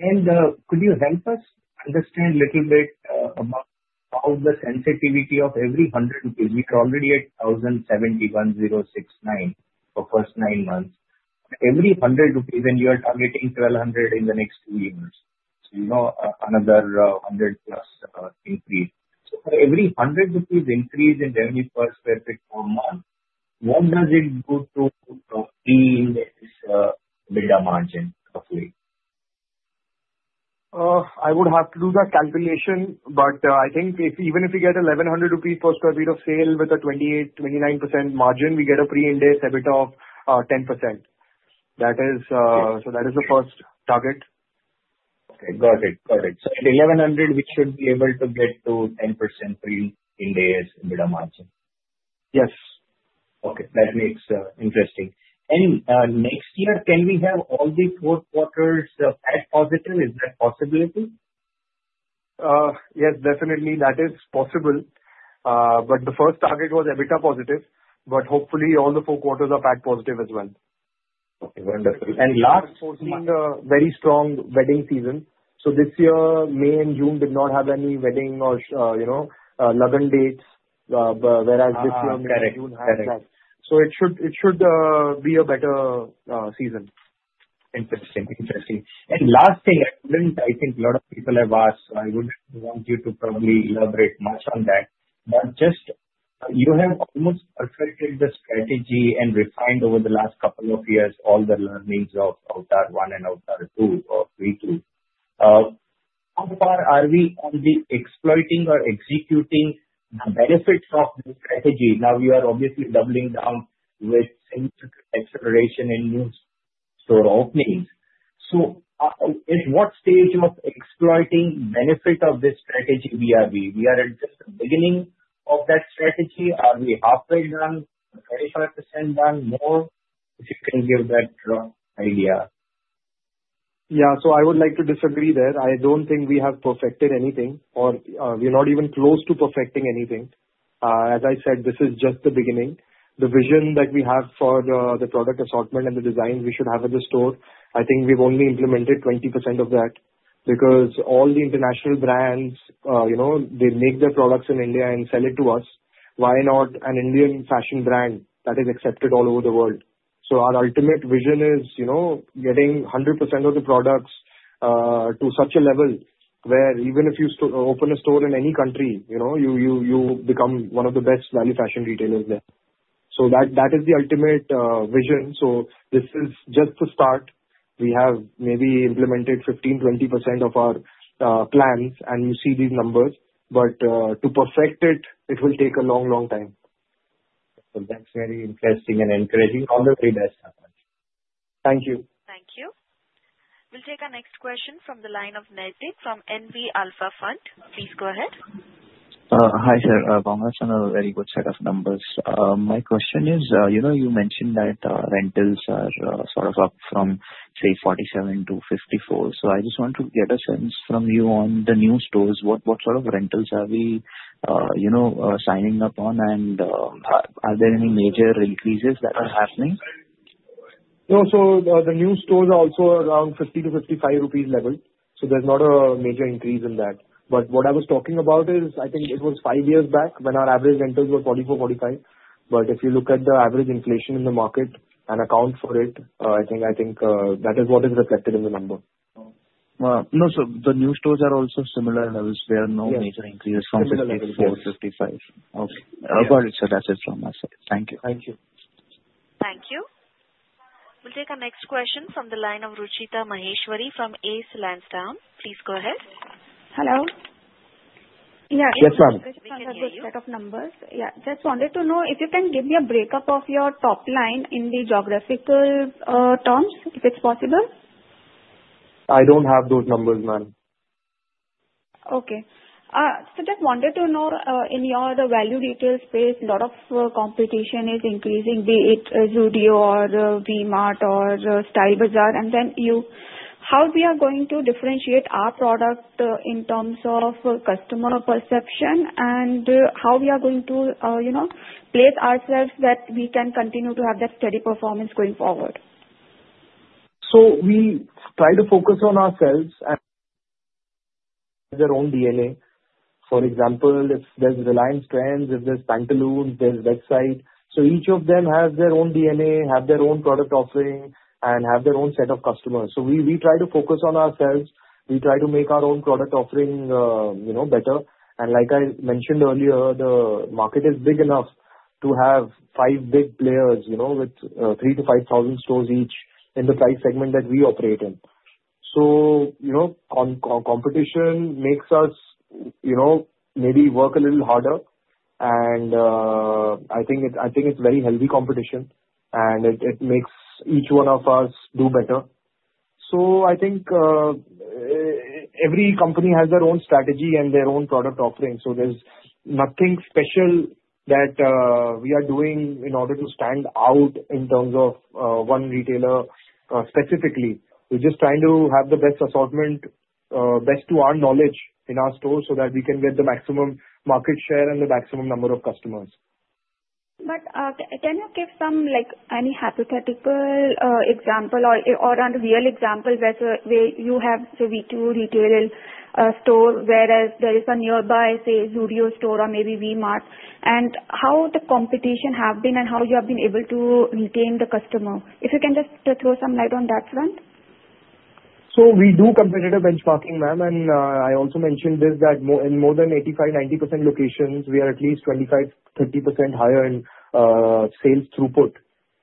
And could you help us understand a little bit about how the sensitivity of every 100 rupees? We are already at 1,071,069 for the first nine months. Every 100 rupees, and you are targeting 1,200 in the next two years, so another 100 plus increase. So for every 100 rupees increase in revenue per sq ft per month, what does it go to pre-Ind AS EBITDA margin roughly? I would have to do that calculation, but I think even if we get 1,100 rupees per sq ft of sale with a 28%-29% margin, we get a pre-Ind AS EBITDA of 10%. That is the first target. Okay. Got it. Got it. So at 1,100, we should be able to get to 10% pre-Ind AS EBITDA margin. Yes. Okay. That makes interesting. Next year, can we have all the four quarters at positive? Is that possible too? Yes, definitely. That is possible. But the first target was EBITDA positive, but hopefully, all the four quarters are at positive as well. Okay. Wonderful. And last. We're seeing a very strong wedding season. So this year, May and June did not have any wedding or lagna dates, whereas this year, we had. Correct. Correct. So it should be a better season. Interesting. Interesting. And last thing, I think a lot of people have asked, so I wouldn't want you to probably elaborate much on that, but just you have almost perfected the strategy and refined over the last couple of years all the learnings of Avatar 1 and Avatar 2 or V2. How far are we on the exploiting or executing the benefits of this strategy? Now, we are obviously doubling down with acceleration in new store openings. So at what stage of exploiting benefit of this strategy we are? We are at just the beginning of that strategy? Are we halfway done, 35% done, more? If you can give that rough idea. Yeah. So I would like to disagree there. I don't think we have perfected anything, or we're not even close to perfecting anything. As I said, this is just the beginning. The vision that we have for the product assortment and the designs we should have at the store, I think we've only implemented 20% of that because all the international brands, they make their products in India and sell it to us. Why not an Indian fashion brand that is accepted all over the world? So our ultimate vision is getting 100% of the products to such a level where even if you open a store in any country, you become one of the best value fashion retailers there. So that is the ultimate vision. So this is just the start. We have maybe implemented 15%-20% of our plans, and you see these numbers. But to perfect it, it will take a long, long time. That's very interesting and encouraging. All the very best, Akash. Thank you. Thank you. We'll take a next question from the line of Nitin from NV Alpha Fund. Please go ahead. Hi, sir. Congrats on a very good set of numbers. My question is, you mentioned that rentals are sort of up from, say, 47 to 54. So I just want to get a sense from you on the new stores. What sort of rentals are we signing up on, and are there any major increases that are happening? Yeah. So the new stores are also around 50 to 55 rupees level. So there's not a major increase in that. But what I was talking about is, I think it was five years back when our average rentals were 44, 45. But if you look at the average inflation in the market and account for it, I think that is what is reflected in the number. Wow. No, sir. The new stores are also similar levels. There are no major increases from 54 to 55. Okay. Got it. So that's it from my side. Thank you. Thank you. Thank you. We'll take a next question from the line of Ruchita Maheshwari from Ace Lansdowne. Please go ahead. Hello. Yeah. Yes, ma'am. I just wanted to see the set of numbers. Yeah. Just wanted to know if you can give me a breakdown of your top line in geographical terms, if it's possible. I don't have those numbers, ma'am. Okay. So just wanted to know, in your value retail space, a lot of competition is increasing, be it Zudio or V-Mart or Style Baazar. And then how we are going to differentiate our product in terms of customer perception and how we are going to place ourselves that we can continue to have that steady performance going forward? So we try to focus on ourselves and their own DNA. For example, if there's Reliance Trends, if there's Pantaloons, there's Westside. So each of them has their own DNA, have their own product offering, and have their own set of customers. So we try to focus on ourselves. We try to make our own product offering better. And like I mentioned earlier, the market is big enough to have five big players with 3,000 stores -5,000 stores each in the price segment that we operate in. So competition makes us maybe work a little harder, and I think it's very heavy competition, and it makes each one of us do better. So I think every company has their own strategy and their own product offering. So there's nothing special that we are doing in order to stand out in terms of one retailer specifically. We're just trying to have the best assortment, best to our knowledge in our stores so that we can get the maximum market share and the maximum number of customers. But can you give some any hypothetical example or real example where you have a V2 Retail store, whereas there is a nearby, say, Zudio store or maybe V-Mart, and how the competition has been and how you have been able to retain the customer? If you can just throw some light on that front. So we do competitive benchmarking, ma'am. And I also mentioned this that in more than 85%-90% locations, we are at least 25%-30% higher in sales throughput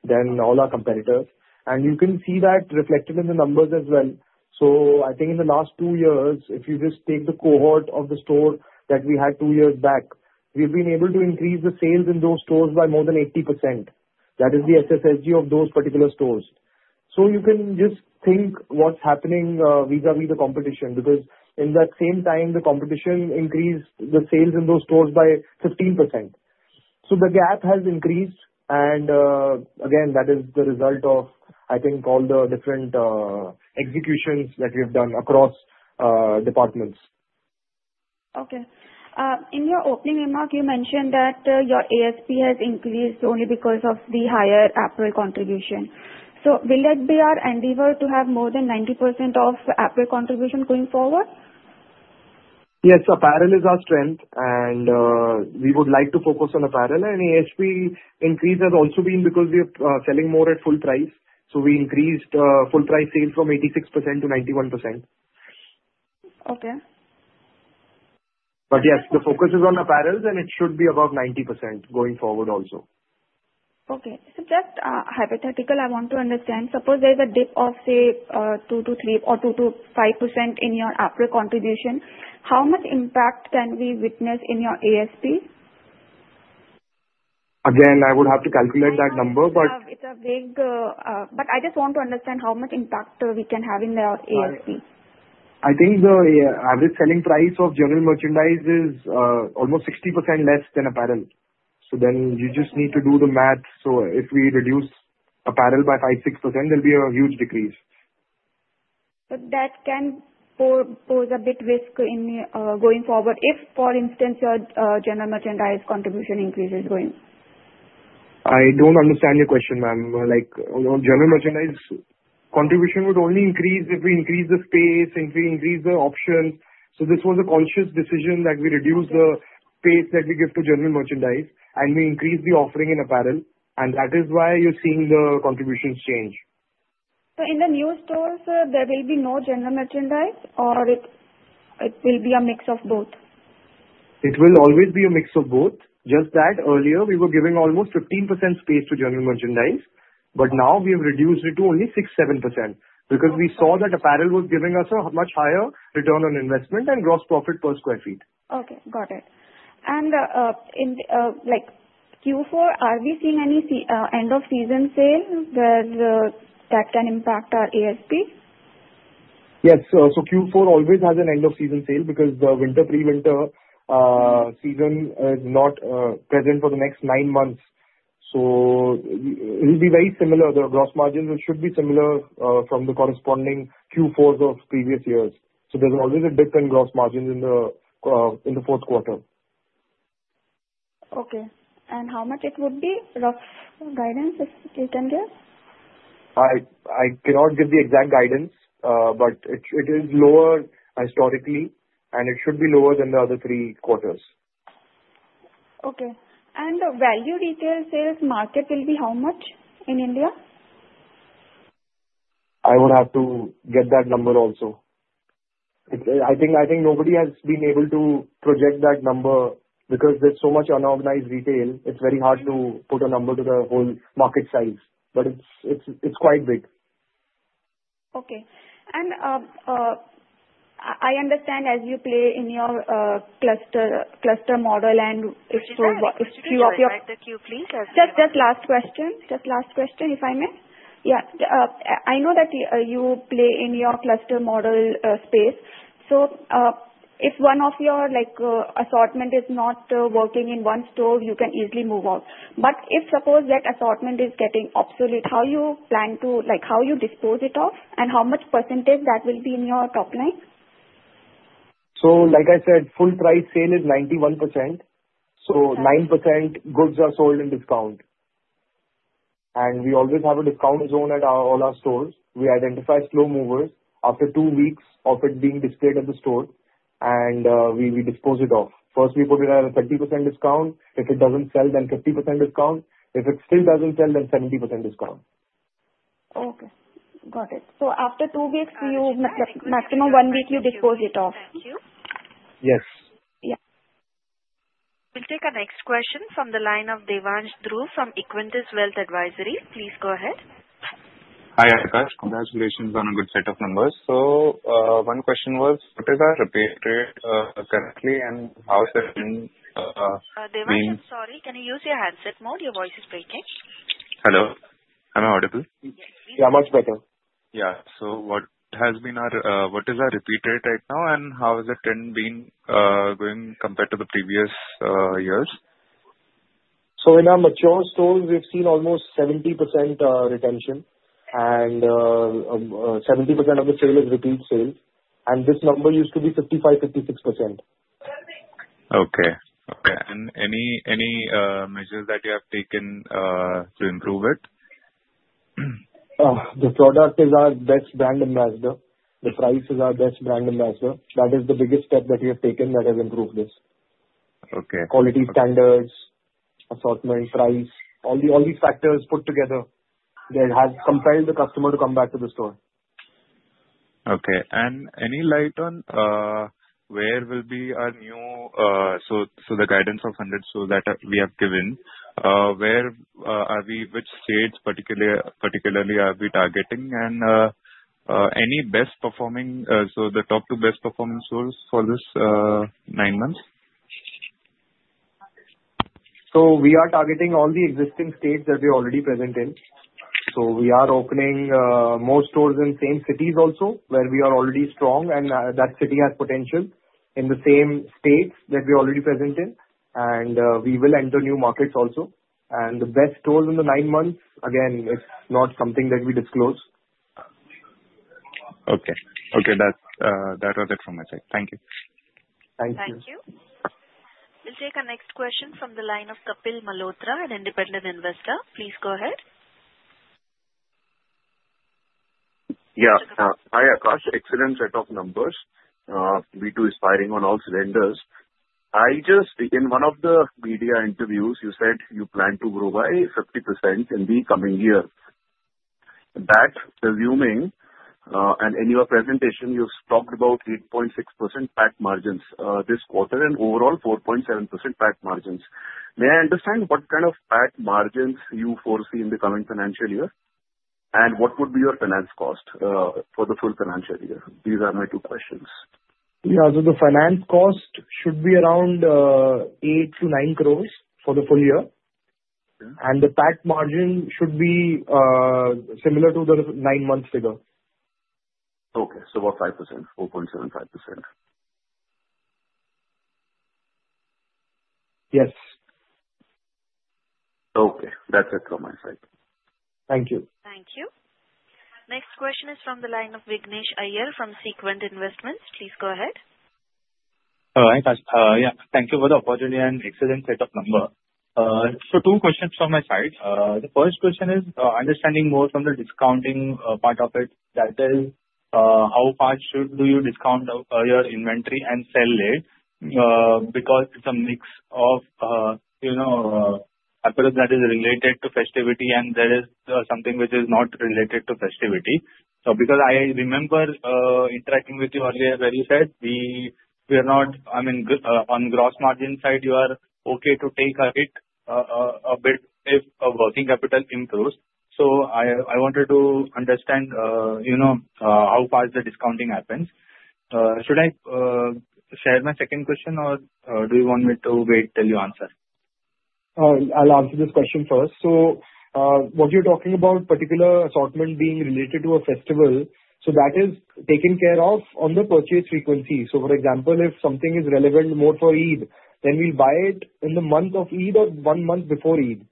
than all our competitors. And you can see that reflected in the numbers as well. So I think in the last two years, if you just take the cohort of the store that we had two years back, we've been able to increase the sales in those stores by more than 80%. That is the SSG of those particular stores. So you can just think what's happening vis-à-vis the competition because in that same time, the competition increased the sales in those stores by 15%. So the gap has increased. And again, that is the result of, I think, all the different executions that we have done across departments. Okay. In your opening remark, you mentioned that your ASP has increased only because of the higher apparel contribution. So will that be our endeavor to have more than 90% of apparel contribution going forward? Yes. Apparel is our strength, and we would like to focus on apparel. And ASP increase has also been because we are selling more at full price. So we increased full price sales from 86% to 91%. Okay. But yes, the focus is on apparel, and it should be above 90% going forward also. Okay. So just hypothetical, I want to understand. Suppose there's a dip of, say, 2%-3% or 2%-5% in your apparel contribution. How much impact can we witness in your ASP? Again, I would have to calculate that number, but. It's a big, but I just want to understand how much impact we can have in the ASP. I think the average selling price of general merchandise is almost 60% less than apparel. So then you just need to do the math. So if we reduce apparel by 5%-6%, there'll be a huge decrease. But that can pose a bit risk going forward if, for instance, your general merchandise contribution increases going. I don't understand your question, ma'am. General merchandise contribution would only increase if we increase the space, if we increase the options. So this was a conscious decision that we reduce the space that we give to general merchandise, and we increase the offering in apparel. And that is why you're seeing the contributions change. So in the new stores, there will be no general merchandise, or it will be a mix of both? It will always be a mix of both. Just that earlier, we were giving almost 15% space to general merchandise, but now we have reduced it to only 6%-7% because we saw that apparel was giving us a much higher return on investment and gross profit per square feet. Okay. Got it. And Q4, are we seeing any end-of-season sale that can impact our ASP? Yes. So Q4 always has an end-of-season sale because the winter, pre-winter season is not present for the next nine months. So it will be very similar. The gross margins should be similar from the corresponding Q4s of previous years. So there's always a dip in gross margins in the fourth quarter. Okay. And how much it would be? Rough guidance, if you can give? I cannot give the exact guidance, but it is lower historically, and it should be lower than the other three quarters. Okay, and value retail sales market will be how much in India? I would have to get that number also. I think nobody has been able to project that number because there's so much unorganized retail. It's very hard to put a number to the whole market size, but it's quite big. Okay, and I understand as you play in your cluster model, and if you are. Can you summarize the question, please? Just last question. Just last question, if I may. Yeah. I know that you play in your cluster model space. So if one of your assortment is not working in one store, you can easily move out. But if suppose that assortment is getting obsolete, how you plan to, how you dispose it of, and how much percentage that will be in your top line? So, like I said, full price sale is 91%. So, 9% goods are sold in discount. And we always have a discount zone at all our stores. We identify slow movers after two weeks of it being displayed at the store, and we dispose it of. First, we put it at a 30% discount. If it doesn't sell, then 50% discount. If it still doesn't sell, then 70% discount. Okay. Got it. So after two weeks, you, maximum one week, you dispose it of. Thank you. Yes. Yeah. We'll take a next question from the line of Devansh Dhruv from Equentis Wealth Advisory. Please go ahead. Hi, Akash. Congratulations on a good set of numbers. So one question was, what is our repeat rate currently, and how has it been? Devansh, I'm sorry. Can you use your handset mode? Your voice is breaking. Hello. Am I audible? Yes. Yeah, much better. Yeah. So what has been our—what is our repeat rate right now, and how has it been going compared to the previous years? In our mature stores, we've seen almost 70% retention, and 70% of the sale is repeat sales. This number used to be 55%-56%. Okay. Okay. And any measures that you have taken to improve it? The product is our best brand ambassador. The price is our best brand ambassador. That is the biggest step that we have taken that has improved this. Okay. Quality standards, assortment, price, all these factors put together, they have compelled the customer to come back to the store. Okay. And any light on where will be our new, so the guidance of 100 stores that we have given. Where are we? Which states particularly are we targeting? And any best performing, so the top two best performing stores for this nine months? So we are targeting all the existing states that we are already present in. So we are opening more stores in same cities also where we are already strong, and that city has potential in the same states that we are already present in. And we will enter new markets also. And the best stores in the nine months, again, it's not something that we disclose. Okay. Okay. That was it from my side. Thank you. Thank you. Thank you. We'll take a next question from the line of Kapil Malhotra, an independent investor. Please go ahead. Yeah. Hi, Akash. Excellent set of numbers. V2 is firing on all cylinders. I just, in one of the media interviews, you said you plan to grow by 50% in the coming year. That presuming, and in your presentation, you talked about 8.6% PAT margins this quarter and overall 4.7% PAT margins. May I understand what kind of PAT margins you foresee in the coming financial year? And what would be your finance cost for the full financial year? These are my two questions. Yeah. So the finance cost should be around 8-9 crores for the full year, and the PAT margin should be similar to the nine months ago. Okay. So about 5%, 4.75%. Yes. Okay. That's it from my side. Thank you. Thank you. Next question is from the line of Vignesh Iyer from Sequent Investments. Please go ahead. All right. Yeah. Thank you for the opportunity and excellent set of numbers. So two questions from my side. The first question is understanding more from the discounting part of it. That is, how far should you discount your inventory and sell it? Because it's a mix of apparel that is related to festivity, and there is something which is not related to festivity. So because I remember interacting with you earlier where you said we are not—I mean, on gross margin side, you are okay to take a hit a bit if a working capital improves. So I wanted to understand how fast the discounting happens. Should I share my second question, or do you want me to wait till you answer? I'll answer this question first. So what you're talking about, particular assortment being related to a festival, so that is taken care of on the purchase frequency. So for example, if something is relevant more for Eid, then we'll buy it in the month of Eid or one month before Eid.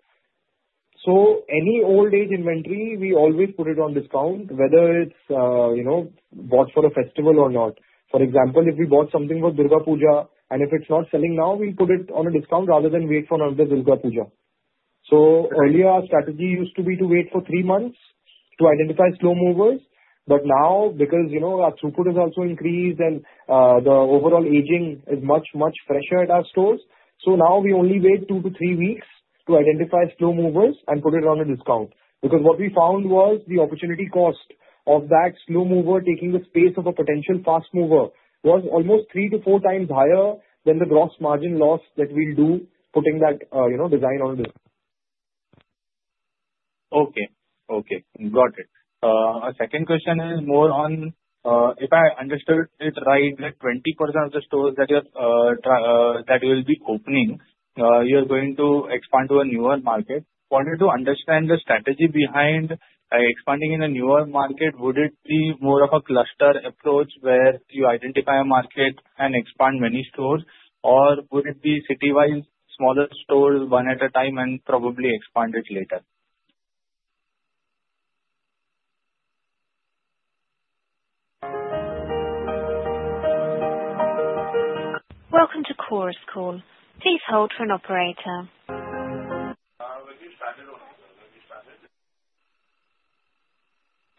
So any aged inventory, we always put it on discount, whether it's bought for a festival or not. For example, if we bought something for Durga Puja, and if it's not selling now, we'll put it on a discount rather than wait for another Durga Puja. So earlier, our strategy used to be to wait for three months to identify slow movers. But now, because our throughput has also increased and the overall aging is much, much fresher at our stores, so now we only wait two to three weeks to identify slow movers and put it on a discount. Because what we found was the opportunity cost of that slow mover taking the space of a potential fast mover was almost three to four times higher than the gross margin loss that we'll do putting that design on a discount. Okay. Okay. Got it. A second question is more on, if I understood it right, that 20% of the stores that you will be opening, you're going to expand to a newer market. Wanted to understand the strategy behind expanding in a newer market. Would it be more of a cluster approach where you identify a market and expand many stores, or would it be city-wise, smaller stores one at a time and probably expand it later? Welcome to Chorus Call. Please hold for an operator.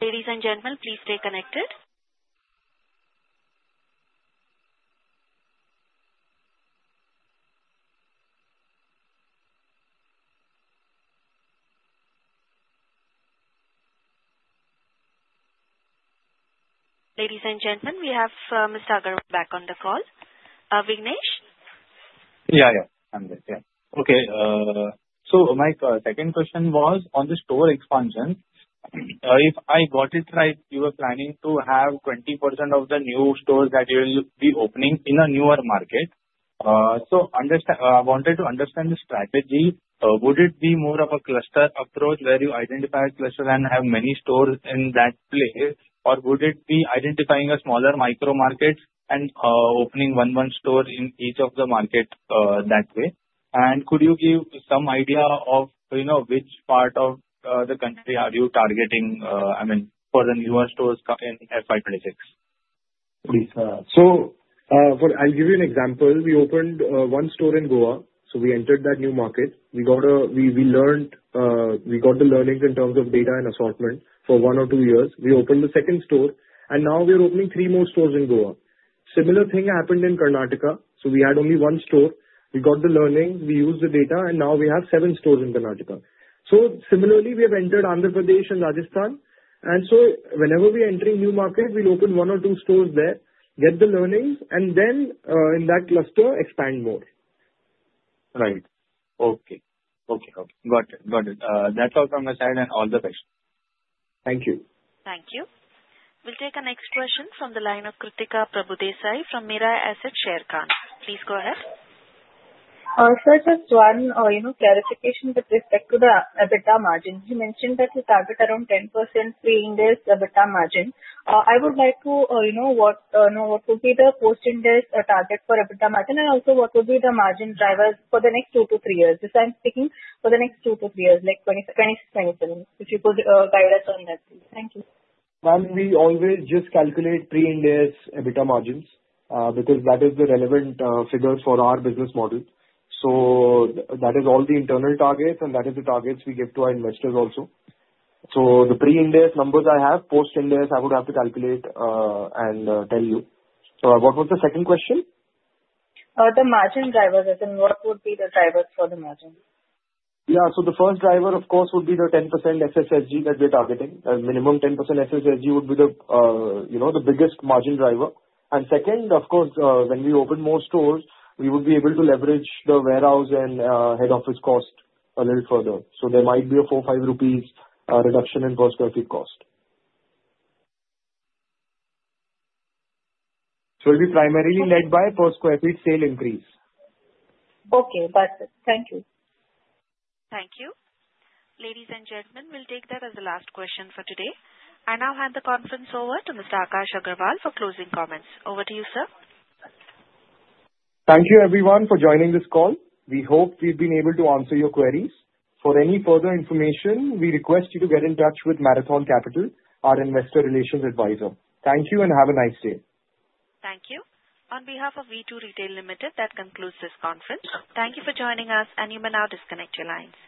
Ladies and gentlemen, please stay connected. Ladies and gentlemen, we have Mr. Agarwal back on the call. Vignesh? Yeah, yeah. I'm there. Yeah. Okay. So my second question was on the store expansion. If I got it right, you were planning to have 20% of the new stores that you will be opening in a newer market. So I wanted to understand the strategy. Would it be more of a cluster approach where you identify a cluster and have many stores in that place, or would it be identifying a smaller micro market and opening one-one store in each of the market that way? And could you give some idea of which part of the country are you targeting, I mean, for the newer stores in FY26? So I'll give you an example. We opened one store in Goa. So we entered that new market. We learned we got the learnings in terms of data and assortment for one or two years. We opened the second store, and now we are opening three more stores in Goa. Similar thing happened in Karnataka. So we had only one store. We got the learning. We used the data, and now we have seven stores in Karnataka. So similarly, we have entered Andhra Pradesh and Rajasthan. And so whenever we enter a new market, we'll open one or two stores there, get the learnings, and then in that cluster, expand more. Right. Okay. Okay. Got it. Got it. That's all from my side and all the questions. Thank you. Thank you. We'll take a next question from the line of Kritika Prabhudesai from Mirae Asset Sharekhan. Please go ahead. Sir, just one clarification with respect to the EBITDA margin. You mentioned that you target around 10% pre-Ind AS EBITDA margin. I would like to know what would be the post-Ind AS target for EBITDA margin and also what would be the margin drivers for the next two to three years. I'm speaking for the next two to three years, like 2027. If you could guide us on that, please. Thank you. And we always just calculate pre-Ind AS EBITDA margins because that is the relevant figure for our business model. So that is all the internal targets, and that is the targets we give to our investors also. So the pre-Ind AS numbers I have, post-Ind AS, I would have to calculate and tell you. So what was the second question? The margin drivers, as in what would be the drivers for the margin? Yeah. So the first driver, of course, would be the 10% SSG that we're targeting. Minimum 10% SSG would be the biggest margin driver. And second, of course, when we open more stores, we would be able to leverage the warehouse and head office cost a little further. So there might be a 4 rupees, 5 rupees reduction in per sq ft cost. So it will be primarily led by per sq ft sale increase. Okay. That's it. Thank you. Thank you. Ladies and gentlemen, we'll take that as the last question for today. I now hand the conference over to Mr. Akash Agarwal for closing comments. Over to you, sir. Thank you, everyone, for joining this call. We hope we've been able to answer your queries. For any further information, we request you to get in touch with Marathon Capital, our investor relations advisor. Thank you and have a nice day. Thank you. On behalf of V2 Retail Limited, that concludes this conference. Thank you for joining us, and you may now disconnect your lines.